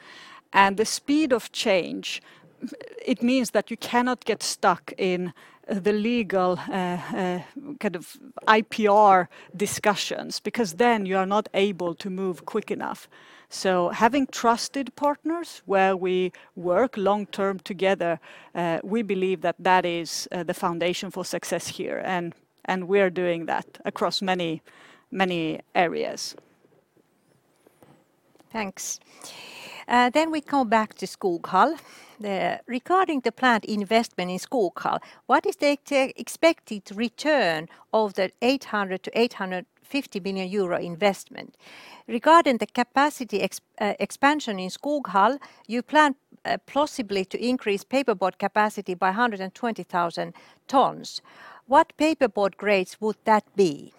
E: The speed of change, it means that you cannot get stuck in the legal IPR discussions, because then you are not able to move quick enough, so having trusted partners where we work long-term together, we believe that that is the foundation for success here, and we are doing that across many areas.
C: Thanks. We come back to Skoghall. Regarding the planned investment in Skoghall, what is the expected return of the 800 million to 850 million euro investment? Regarding the capacity expansion in Skoghall, you plan plausibly to increase paperboard capacity by 120,000 tons. What paperboard grades would that be?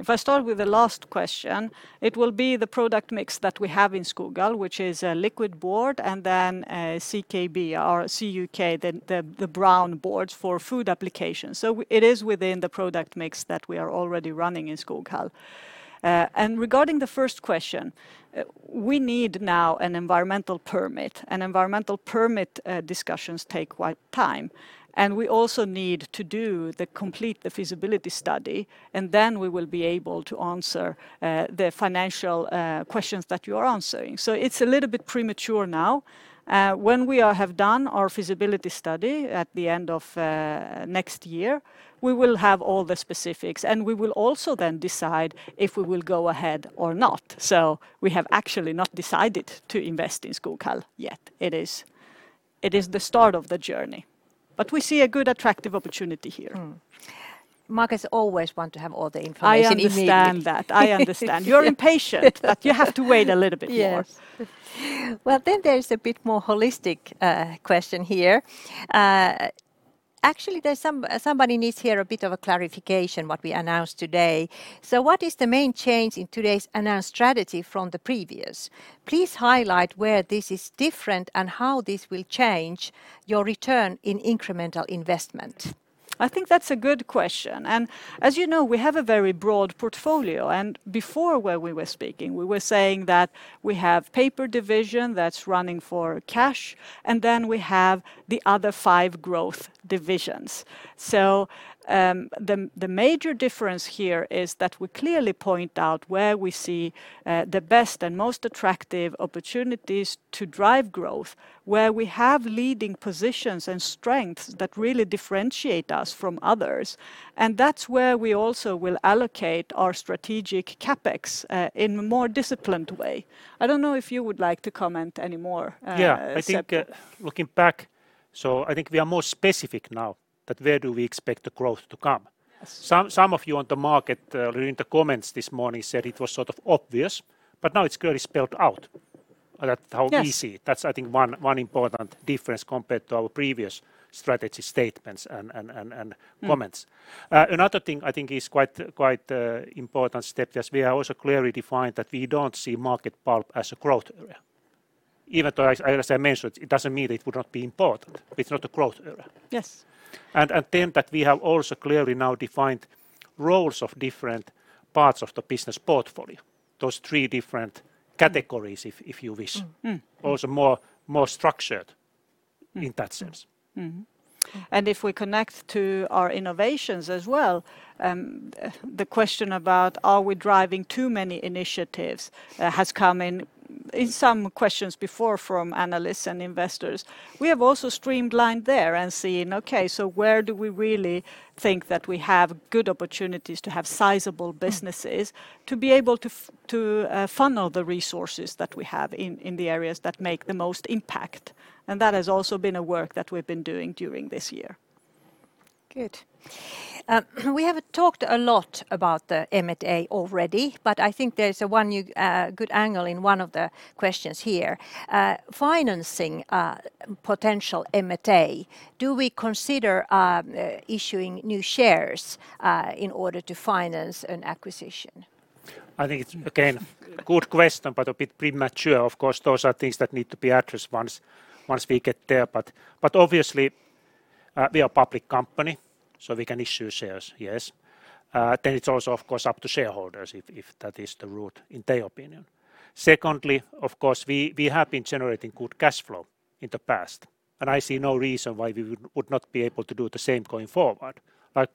B: If I start with the last question, it will be the product mix that we have in Skoghall, which is a liquid board and then CKB or CUK, the brown boards for food application, so it is within the product mix that we already running in Skoghall. Regarding the first question, we need now an environmental permit, and environmental permit discussions take quite time. We also need to do the complete feasibility study, and then we will be able to answer the financial questions that you are asking. It's a little bit premature now. When we have done our feasibility study at the end of next year, we will have all the specifics, and we will also then decide if we will go ahead or not. We have actually not decided to invest in Skoghall yet. It is the start of the journey. We see a good, attractive opportunity here.
C: Markets always want to have all the information immediately.
B: I understand that. I understand. You're impatient, but you have to wait a little bit more.
C: Yes. Well, there's a bit more holistic question here. Actually, somebody needs here a bit of a clarification what we announced today. What is the main change in today's announced strategy from the previous? Please highlight where this is different and how this will change your return in incremental investment.
B: I think that's a good question, and as you know, we have a very broad portfolio, and before when we were speaking, we were saying that we have paper division that's running for cash, and then we have the other five growth divisions. The major difference here is that we clearly point out where we see the best and most attractive opportunities to drive growth, where we have leading positions and strengths that really differentiate us from others, and that's where we also will allocate our strategic CapEx in a more disciplined way. I don't know if you would like to comment any more.
E: Yeah. I think looking back, I think we are more specific now that where do we expect the growth to come. Some of you on the market read the comments this morning, said it was sort of obvious, but now it's clearly spelled out how we see it. That's I think one important difference compared to our previous strategy statements and comments. Another thing I think is quite important step, yes, we are also clearly defined that we don't see market pulp as a growth area, even though, as I mentioned, it doesn't mean it would not be important. It's not a growth area.
B: Yes.
E: That we have also clearly now defined roles of different parts of the business portfolio, those three different categories, if you wish, also more structured in that sense.
B: If we connect to our innovations as well, the question about are we driving too many initiatives has come in some questions before from analysts and investors. We have also streamlined there and seen, okay, so where do we really think that we have good opportunities to have sizable businesses to be able to funnel the resources that we have in the areas that make the most impact, and that has also been a work that we've been doing during this year.
C: Good. We have talked a lot about the M&A already. I think there's one new good angle in one of the questions here. Financing potential M&A, do we consider issuing new shares in order to finance an acquisition?
E: I think it's again a good question, but a bit premature. Of course, those are things that need to be addressed once we get there. Obviously, we are public company, so we can issue shares, yes, then it's also, of course, up to shareholders if that is the route in their opinion. Secondly, of course, we have been generating good cash flow in the past, and I see no reason why we would not be able to do the same going forward.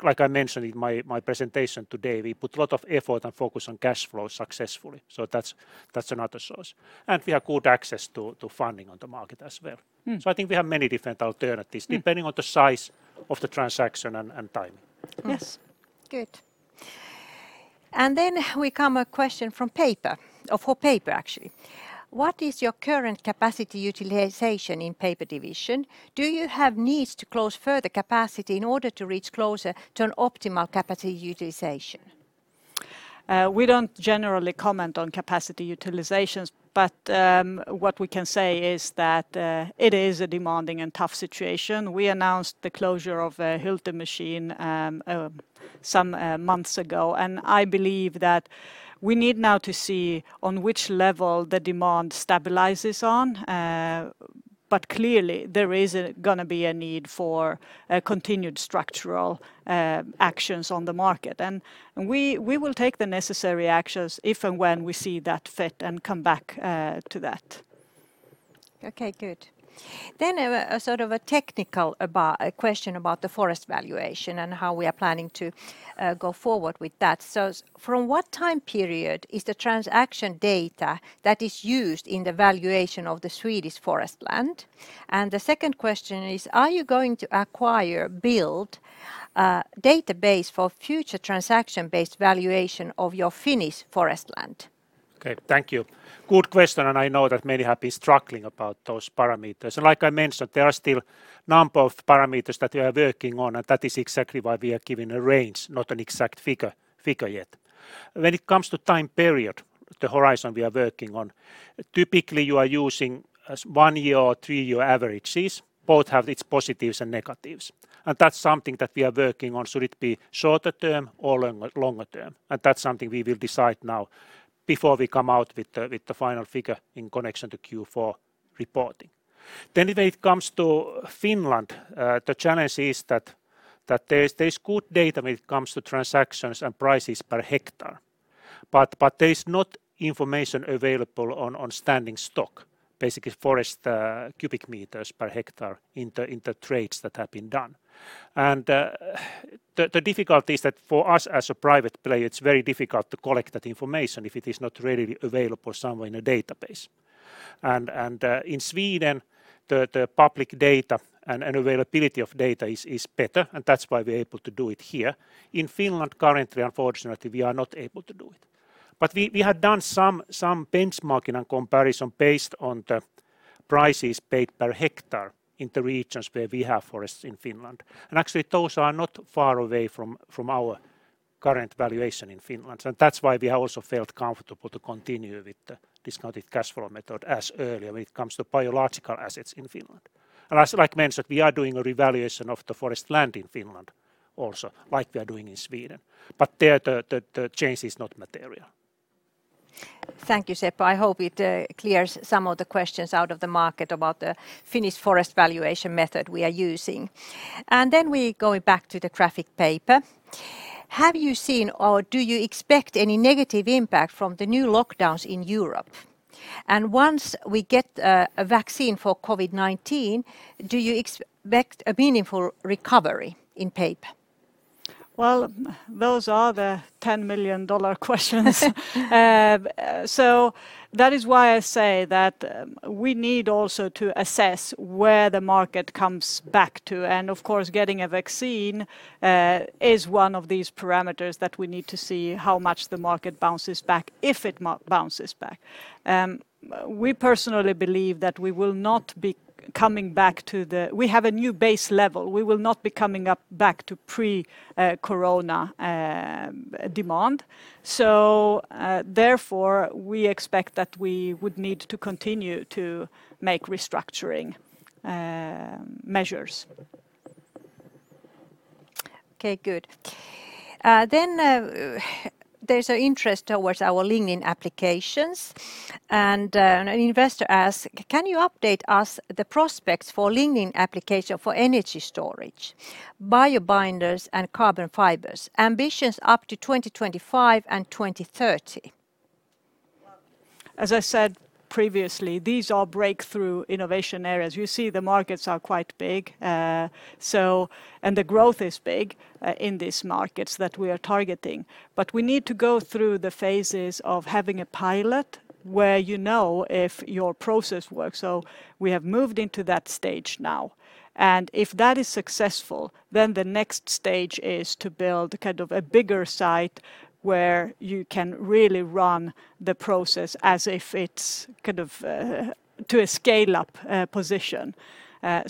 E: Like I mentioned in my presentation today, I put a lot of effort and focus on cash flow successfully, so that's another source, and we have good access to funding on the market as well. I think we have many different alternatives depending on the size of the transaction and timing.
C: Yes, good, and then we come a question from paper, or for paper, actually. What is your current capacity utilization in paper division? Do you have needs to close further capacity in order to reach closer to an optimal capacity utilization?
B: We don't generally comment on capacity utilizations, but what we can say is that it is a demanding and tough situation. We announced the closure of a Hylte machine some months ago and I believe that we need now to see on which level the demand stabilizes on. Clearly, there is going to be a need for continued structural actions on the market. We will take the necessary actions if and when we see that fit and come back to that.
C: Okay, good, a sort of a technical question about the forest valuation and how we are planning to go forward with that. From what time period is the transaction data that is used in the valuation of the Swedish forest land? The second question is, are you going to acquire, build a database for future transaction-based valuation of your Finnish forest land?
E: Okay, thank you. Good question, and I know that many have been struggling about those parameters, and like I mentioned, there are still number of parameters that we are working on, and that is exactly why we are giving a range, not an exact figure yet. When it comes to time period, the horizon we are working on, typically you are using as one year or three year averages. Both have its positives and negatives and that's something that we are working on. Should it be shorter term or longer term? That's something we will decide now before we come out with the final figure in connection to Q4 reporting. When it comes to Finland, the challenge is that there is good data when it comes to transactions and prices per hectare, but there is not information available on standing stock, basically forest cubic meters per hectare in the trades that have been done. The difficulty is that for us, as a private player, it is very difficult to collect that information if it is not readily available somewhere in a database. In Sweden, the public data and availability of data is better, and that is why we are able to do it here. In Finland currently, unfortunately, we are not able to do it. We have done some benchmarking and comparison based on the prices paid per hectare in the regions where we have forests in Finland. Actually, those are not far away from our current valuation in Finland. That's why we have also felt comfortable to continue with the discounted cash flow method as earlier when it comes to biological assets in Finland. As like mentioned, we are doing a revaluation of the forest land in Finland also like we are doing in Sweden, but there the change is not material.
C: Thank you, Seppo. I hope it clears some of the questions out of the market about the Finnish forest valuation method we are using, and then we going back to the graphic paper. Have you seen or do you expect any negative impact from the new lockdowns in Europe? Once we get a vaccine for COVID-19, do you expect a meaningful recovery in paper?
B: Well, those are the $10 million questions. That is why I say that we need also to assess where the market comes back to, and of course, getting a vaccine is one of these parameters that we need to see how much the market bounces back, if it bounces back. We personally believe that we will not be coming back. We have a new base level. We will not be coming back to pre-corona demand. Therefore, we expect that we would need to continue to make restructuring measures.
C: Okay, good, then there's an interest towards our lignin applications, and an investor asks, can you update us the prospects for lignin application for energy storage, Biobinders and Carbon fibers, ambitions up to 2025 and 2030?
B: As I said previously, these are breakthrough innovation areas. You see the markets are quite big, and the growth is big in these markets that we are targeting. We need to go through the phases of having a pilot where you know if your process works. We have moved into that stage now, and if that is successful, the next stage is to build a bigger site where you can really run the process as if it's to a scale-up position.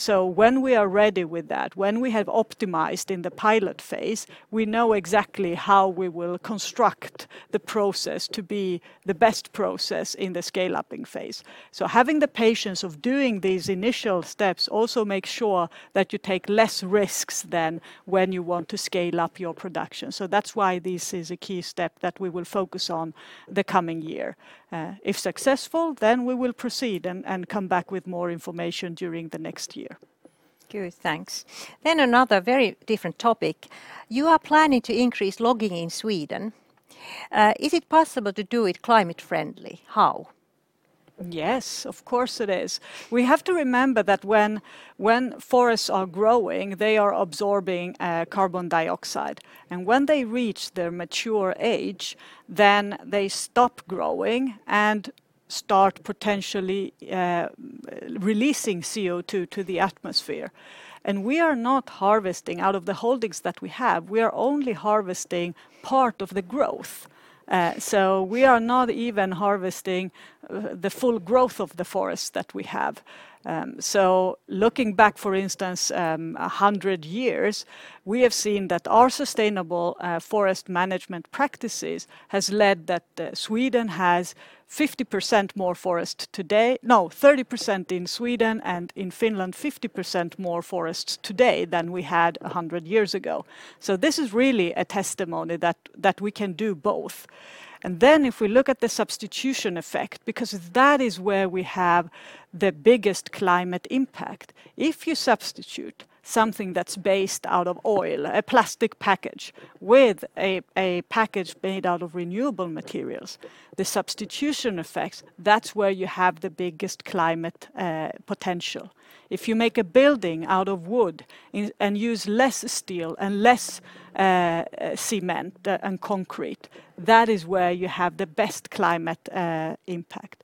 B: When we are ready with that, when we have optimized in the pilot phase, we know exactly how we will construct the process to be the best process in the scaling phase, so having the patience of doing these initial steps also makes sure that you take less risks than when you want to scale up your production. That's why this is a key step that we will focus on the coming year. If successful, then we will proceed and come back with more information during the next year.
C: Good, thanks, and another very different topic. You are planning to increase logging in Sweden. Is it possible to do it climate friendly? How?
B: Yes, of course it is. We have to remember that when forests are growing, they are absorbing carbon dioxide. When they reach their mature age, then they stop growing, and start potentially releasing CO2 to the atmosphere. We are not harvesting out of the holdings that we have. We are only harvesting part of the growth. We are not even harvesting the full growth of the forest that we have. Looking back, for instance, 100 years, we have seen that our sustainable forest management practices has led that Sweden has 30% more forest today, and in Finland, 50% more forests today than we had 100 years ago. This is really a testimony that we can do both, and then if we look at the substitution effect, because that is where we have the biggest climate impact. If you substitute something that's based out of oil, a plastic package, with a package made out of renewable materials, the substitution effects, that's where you have the biggest climate potential. If you make a building out of wood and use less steel and less cement and concrete, that is where you have the best climate impact.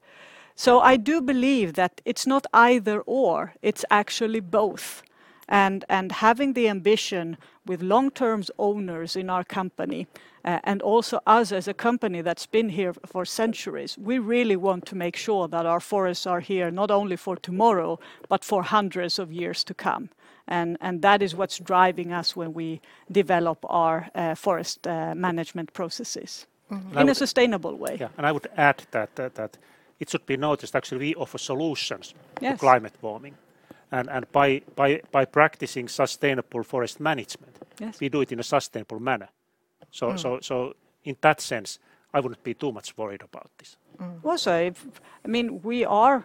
B: I do believe that it's not either/or, it's actually both. Having the ambition with long-term owners in our company, and also us as a company that's been here for centuries, we really want to make sure that our forests are here not only for tomorrow, but for 100's of years to come. That is what's driving us when we develop our forest management processes in a sustainable way.
E: Yeah, I would add that it should be noticed actually, we offer solutions for climate warming, and by practicing sustainable forest management, we do it in a sustainable manner. In that sense, I wouldn't be too much worried about this.
B: We are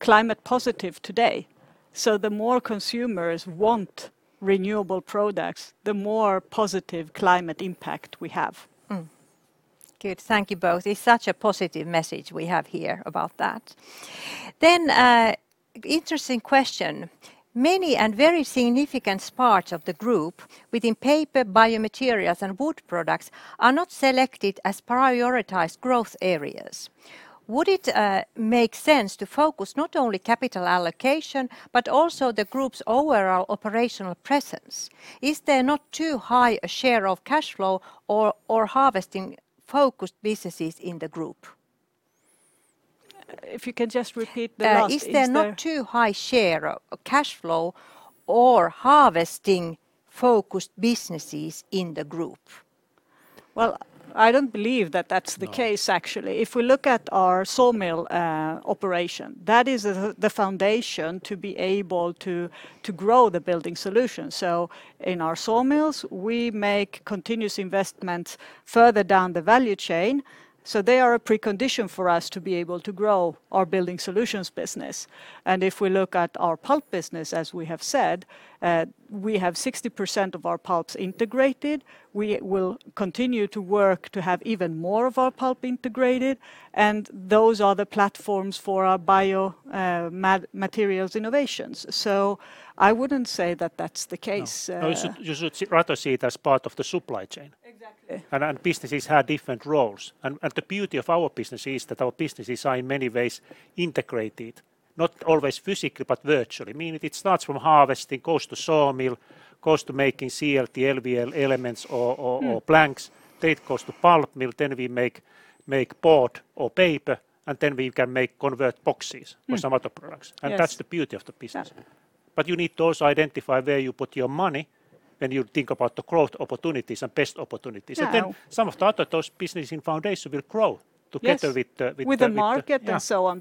B: climate positive today, so the more consumers want renewable products, the more positive climate impact we have.
C: Good. Thank you both. It's such a positive message we have here about that, then interesting question, many and very significant parts of the group within paper, biomaterials, and wood products are not selected as prioritized growth areas. Would it make sense to focus not only capital allocation, but also the group's overall operational presence? Is there not too high a share of cash flow or harvesting-focused businesses in the group?
B: If you can just repeat the last info.
C: Is there not too high share of cash flow or harvesting-focused businesses in the group?
B: Well, I don't believe that that's the case, actually. If we look at our sawmill operation, that is the foundation to be able to grow the Building Solutions. In our sawmills, we make continuous investments further down the value chain, so they are a precondition for us to be able to grow our Building Solutions business. If we look at our pulp business, as we have said, we have 60% of our pulps integrated. We will continue to work to have even more of our pulp integrated, and those are the platforms for our bio materials innovations. I wouldn't say that that's the case.
E: No, you should rather see it as part of the supply chain.
B: Exactly.
E: Businesses have different roles, and the beauty of our business is that our businesses are, in many ways, integrated, not always physically, but virtually, meaning it starts from harvesting, goes to sawmill, goes to making CLT, LVL elements or planks. It goes to pulp mill, then we make board or paper, then we can make convert boxes and some other products. That's the beauty of the business, but you need to also identify where you put your money, when you think about the growth opportunities and best opportunities.
B: Yeah.
E: Those business in foundation will grow together with the market, yeah.
B: With the market and so on.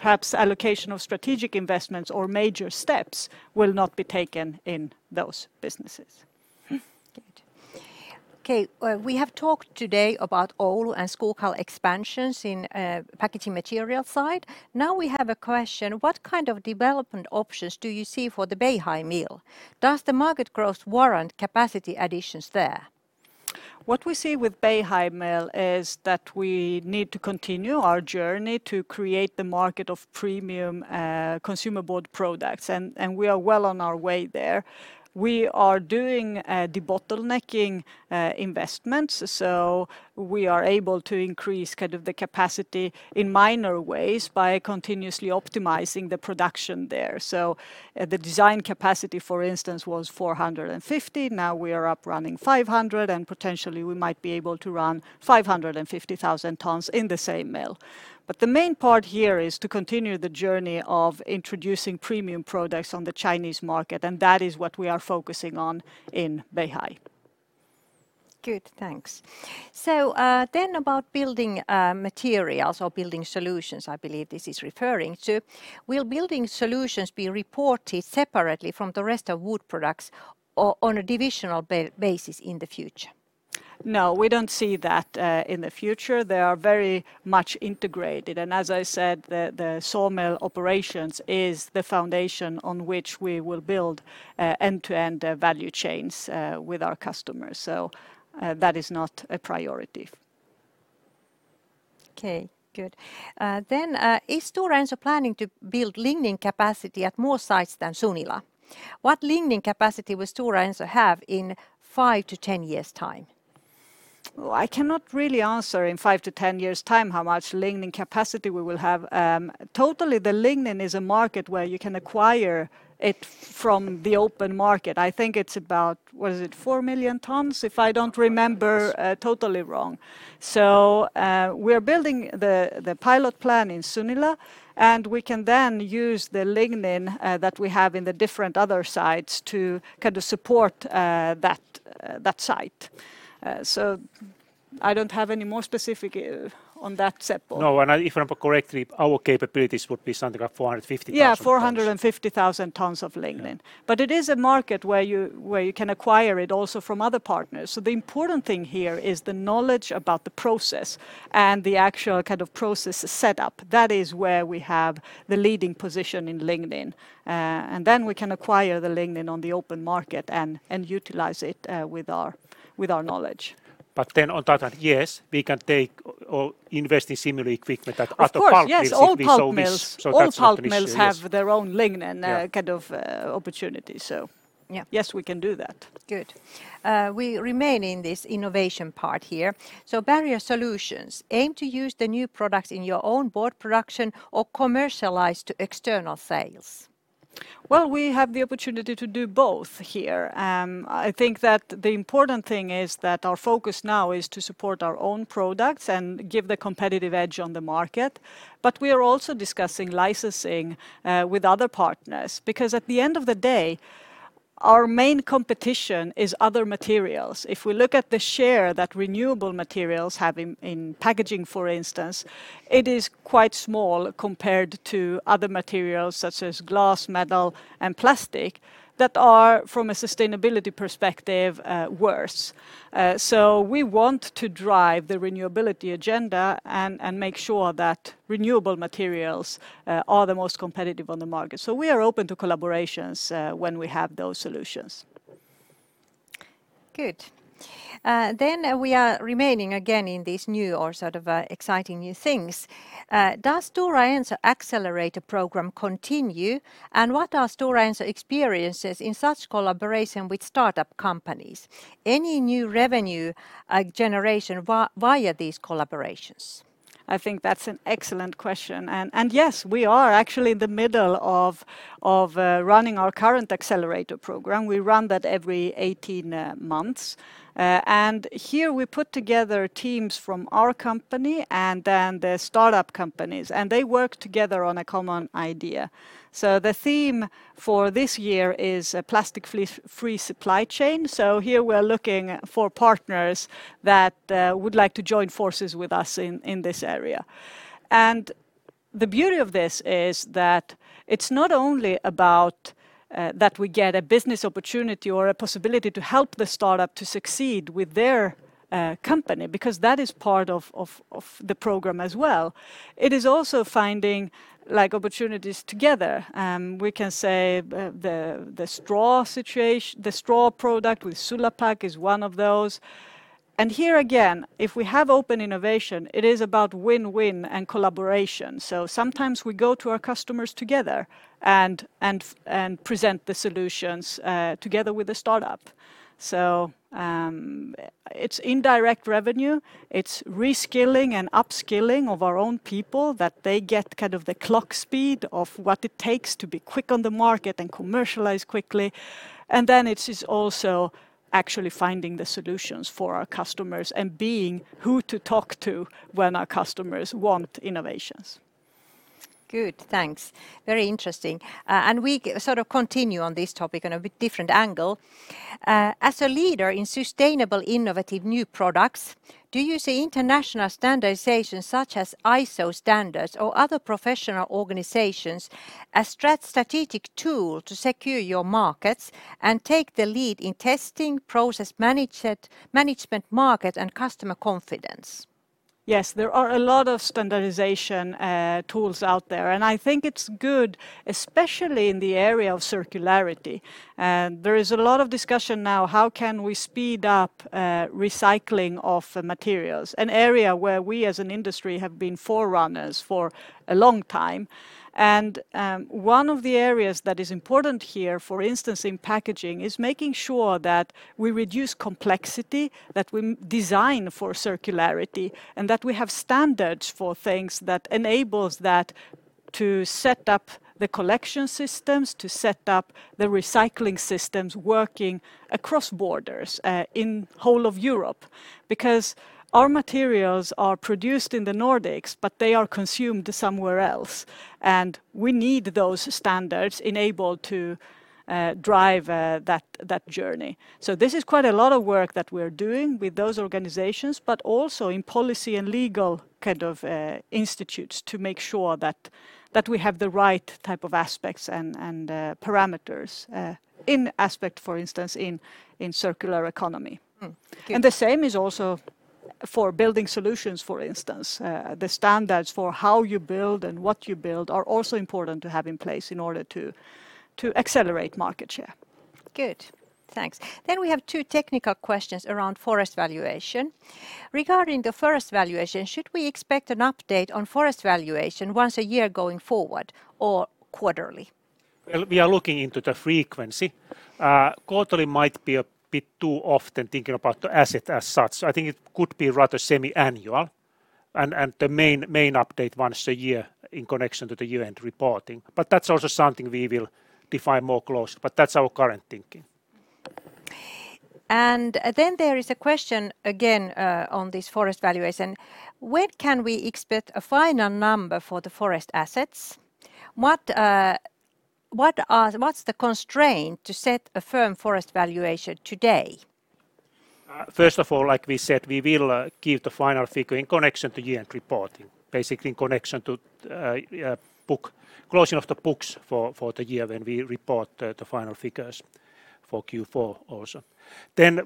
B: Perhaps allocation of strategic investments or major steps will not be taken in those businesses.
C: Okay. We have talked today about Oulu and Skoghall expansions in Packaging Materials side. Now we have a question, what kind of development options do you see for the Beihai Mill? Does the market growth warrant capacity additions there?
B: What we see with Beihai mill is that we need to continue our journey to create the market of premium consumer board products, and we are well on our way there. We are doing debottlenecking investments, so we are able to increase kind of the capacity in minor ways by continuously optimizing the production there. The design capacity, for instance, was 450, now we are up running 500, and potentially we might be able to run 550,000 tons in the same mill. The main part here is to continue the journey of introducing premium products on the Chinese market, and that is what we are focusing on in Beihai.
C: Good, thanks, so then about building materials or Building Solutions, I believe this is referring to. Will Building Solutions be reported separately from the rest of wood products on a divisional basis in the future?
B: No, we don't see that in the future. They are very much integrated, and as I said, the sawmill operations is the foundation on which we will build end-to-end value chains with our customers, so that is not a priority.
C: Okay, good, then is Stora Enso planning to build lignin capacity at more sites than Sunila? What lignin capacity will Stora Enso have in five years to 10 years time?
B: I cannot really answer in five years to 10 years time how much lignin capacity we will have. Totally, the lignin is a market where you can acquire it from the open market. I think it's about, was it 4 million tons? If I don't remember totally wrong. We're building the pilot plant in Sunila, and we can then use the lignin that we have in the different other sites to kind of support that site. I don't have any more specific on that, Seppo.
E: No, if I'm correctly, our capabilities would be something like 450,000 tons.
B: Yeah, 450,000 tons of lignin.
E: Yeah.
B: It is a market where you can acquire it also from other partners. The important thing here is the knowledge about the process and the actual kind of process setup. That is where we have the leading position in lignin. Then we can acquire the lignin on the open market and utilize it with our knowledge.
E: On that, yes, we can take or invest in similar equipment at other pulp mills.
B: Of course, yes.
E: If we so wish.
B: All pulp mills.
E: That's not an issue, yes
B: All pulp mills have their own lignin kind of opportunity.
C: Yeah
B: Yes, we can do that.
C: Good. We remain in this innovation part here. Barrier solutions, aim to use the new products in your own board production or commercialize to external sales?
B: Well, we have the opportunity to do both here. I think that the important thing is that our focus now is to support our own products and give the competitive edge on the market. We are also discussing licensing with other partners, because at the end of the day, our main competition is other materials. If we look at the share that renewable materials have in packaging, for instance, it is quite small compared to other materials such as glass, metal, and plastic, that are, from a sustainability perspective, worse. We want to drive the renewability agenda and make sure that renewable materials are the most competitive on the market. We are open to collaborations when we have those solutions.
C: Good, then we are remaining again in these new or sort of exciting new things. Does Stora Enso Accelerator program continue and what are Stora Enso experiences in such collaboration with startup companies? Any new revenue generation via these collaborations?
B: I think that's an excellent question. Yes, we are actually in the middle of running our current Accelerator Program. We run that every 18 months. Here we put together teams from our company, and then the startup companies, and they work together on a common idea. The theme for this year is a Plastic Free Supply Chain. Here we are looking for partners that would like to join forces with us in this area. The beauty of this is that it's not only about that we get a business opportunity or a possibility to help the startup to succeed with their company, because that is part of the program as well. It is also finding opportunities together. We can say the straw product with Sulapac is one of those. Here again, if we have open innovation, it is about win-win and collaboration. Sometimes we go to our customers together and present the solutions together with the startup. It's indirect revenue, it's reskilling and upskilling of our own people, that they get the clock speed of what it takes to be quick on the market and commercialize quickly, it is also actually finding the solutions for our customers and being who to talk to when our customers want innovations.
C: Good, thanks, very interesting, and we continue on this topic on a different angle. As a leader in sustainable, innovative new products, do you see international standardization such as ISO standards or other professional organizations as strategic tool to secure your markets and take the lead in testing, process management, market, and customer confidence?
B: Yes, there are a lot of standardization tools out there, and I think it's good, especially in the area of circularity. There is a lot of discussion now, how can we speed up recycling of materials, an area where we as an industry have been forerunners for a long time. One of the areas that is important here, for instance, in packaging, is making sure that we reduce complexity, that we design for circularity, and that we have standards for things that enables that to set up the collection systems, to set up the recycling systems working across borders in whole of Europe, because our materials are produced in the Nordics, but they are consumed somewhere else, and we need those standards enabled to drive that journey. This is quite a lot of work that we're doing with those organizations, but also in policy and legal institutes to make sure that we have the right type of aspects and parameters in aspect, for instance, in circular economy.
C: Good.
B: The same is also for Building Solutions, for instance. The standards for how you build and what you build are also important to have in place in order to accelerate market share.
C: Good, thanks, then we have two technical questions around forest valuation. Regarding the forest valuation, should we expect an update on forest valuation once a year going forward or quarterly?
E: Well, we are looking into the frequency. Quarterly might be a bit too often thinking about the asset as such. I think it could be rather semi-annual, and the main update once a year in connection to the year-end reporting. That's also something we will define more closely, but that's our current thinking.
C: There is a question again on this forest valuation. When can we expect a final number for the forest assets? What's the constraint to set a firm forest valuation today?
E: First of all, like we said, we will give the final figure in connection to year-end reporting, basically, in connection to closing of the books for the year when we report the final figures for Q4 also.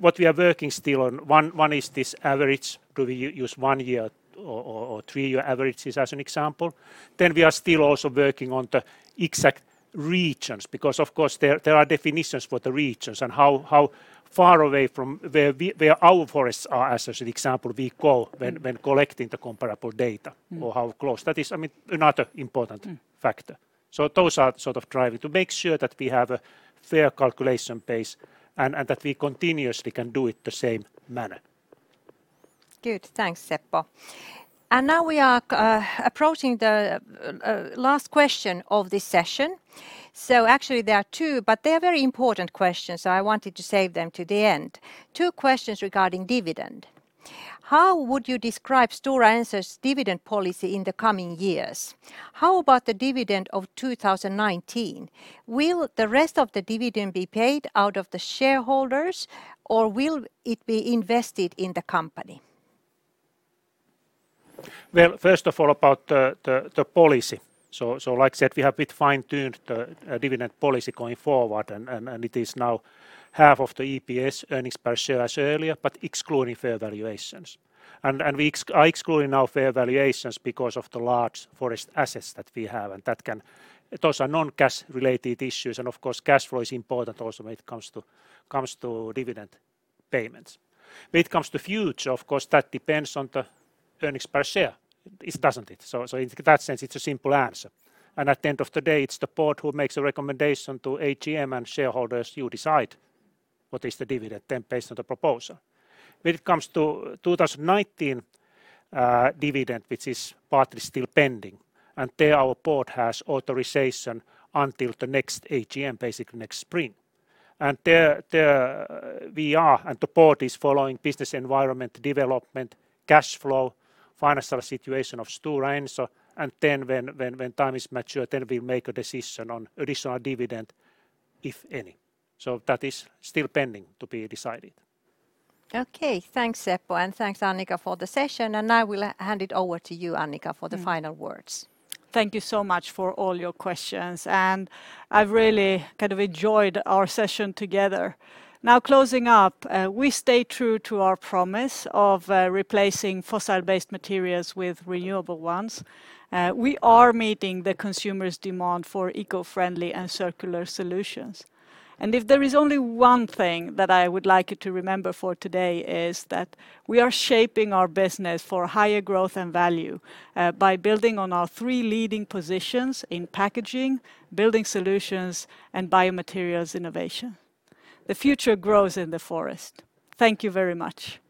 E: What we are working still on, one is this average. Do we use one year or three-year averages, as an example? We are still also working on the exact regions because, of course, there are definitions for the regions and how far away from where our forests are, as an example, we go when collecting the comparable data or how close. That is another important factor. Those are sort of driving to make sure that we have a fair calculation base and that we continuously can do it the same manner.
C: Good. Thanks, Seppo. Now we are approaching the last question of this session. Actually there are two, but they are very important questions, so I wanted to save them to the end. Two questions regarding dividend. How would you describe Stora Enso's dividend policy in the coming years? How about the dividend of 2019? Will the rest of the dividend be paid out of the shareholders, or will it be invested in the company?
E: First of all, about the policy, so like I said, we have a bit fine-tuned the dividend policy going forward, and it is now half of the EPS, earnings per share, as earlier, but excluding fair valuations. We are excluding now fair valuations because of the large forest assets that we have, and those are non-cash related issues, and of course, cash flow is important also when it comes to dividend payments. When it comes to future, of course, that depends on the earnings per share, doesn't it? In that sense, it's a simple answer, and at the end of the day, it's the board who makes a recommendation to AGM, and shareholders, you decide what is the dividend then based on the proposal. When it comes to 2019 dividend, which is partly still pending, and there our Board has authorization until the next AGM, basically next spring. There we are, and the Board is following business environment development, cash flow, financial situation of Stora Enso, and then when time is mature, then we make a decision on additional dividend, if any. That is still pending, to be decided.
C: Okay. Thanks, Seppo, and thanks, Annica for the session, and now we'll hand it over to you, Annica, for the final words.
B: Thank you so much for all your questions and I've really enjoyed our session together. Now closing up, we stay true to our promise of replacing fossil-based materials with renewable ones. We are meeting the consumer's demand for eco-friendly and circular solutions. If there is only one thing that I would like you to remember for today is that we are shaping our business for higher growth and value by building on our three leading positions in packaging, Building Solutions, and biomaterials innovation. The future grows in the forest. Thank you very much.
E: Thank you.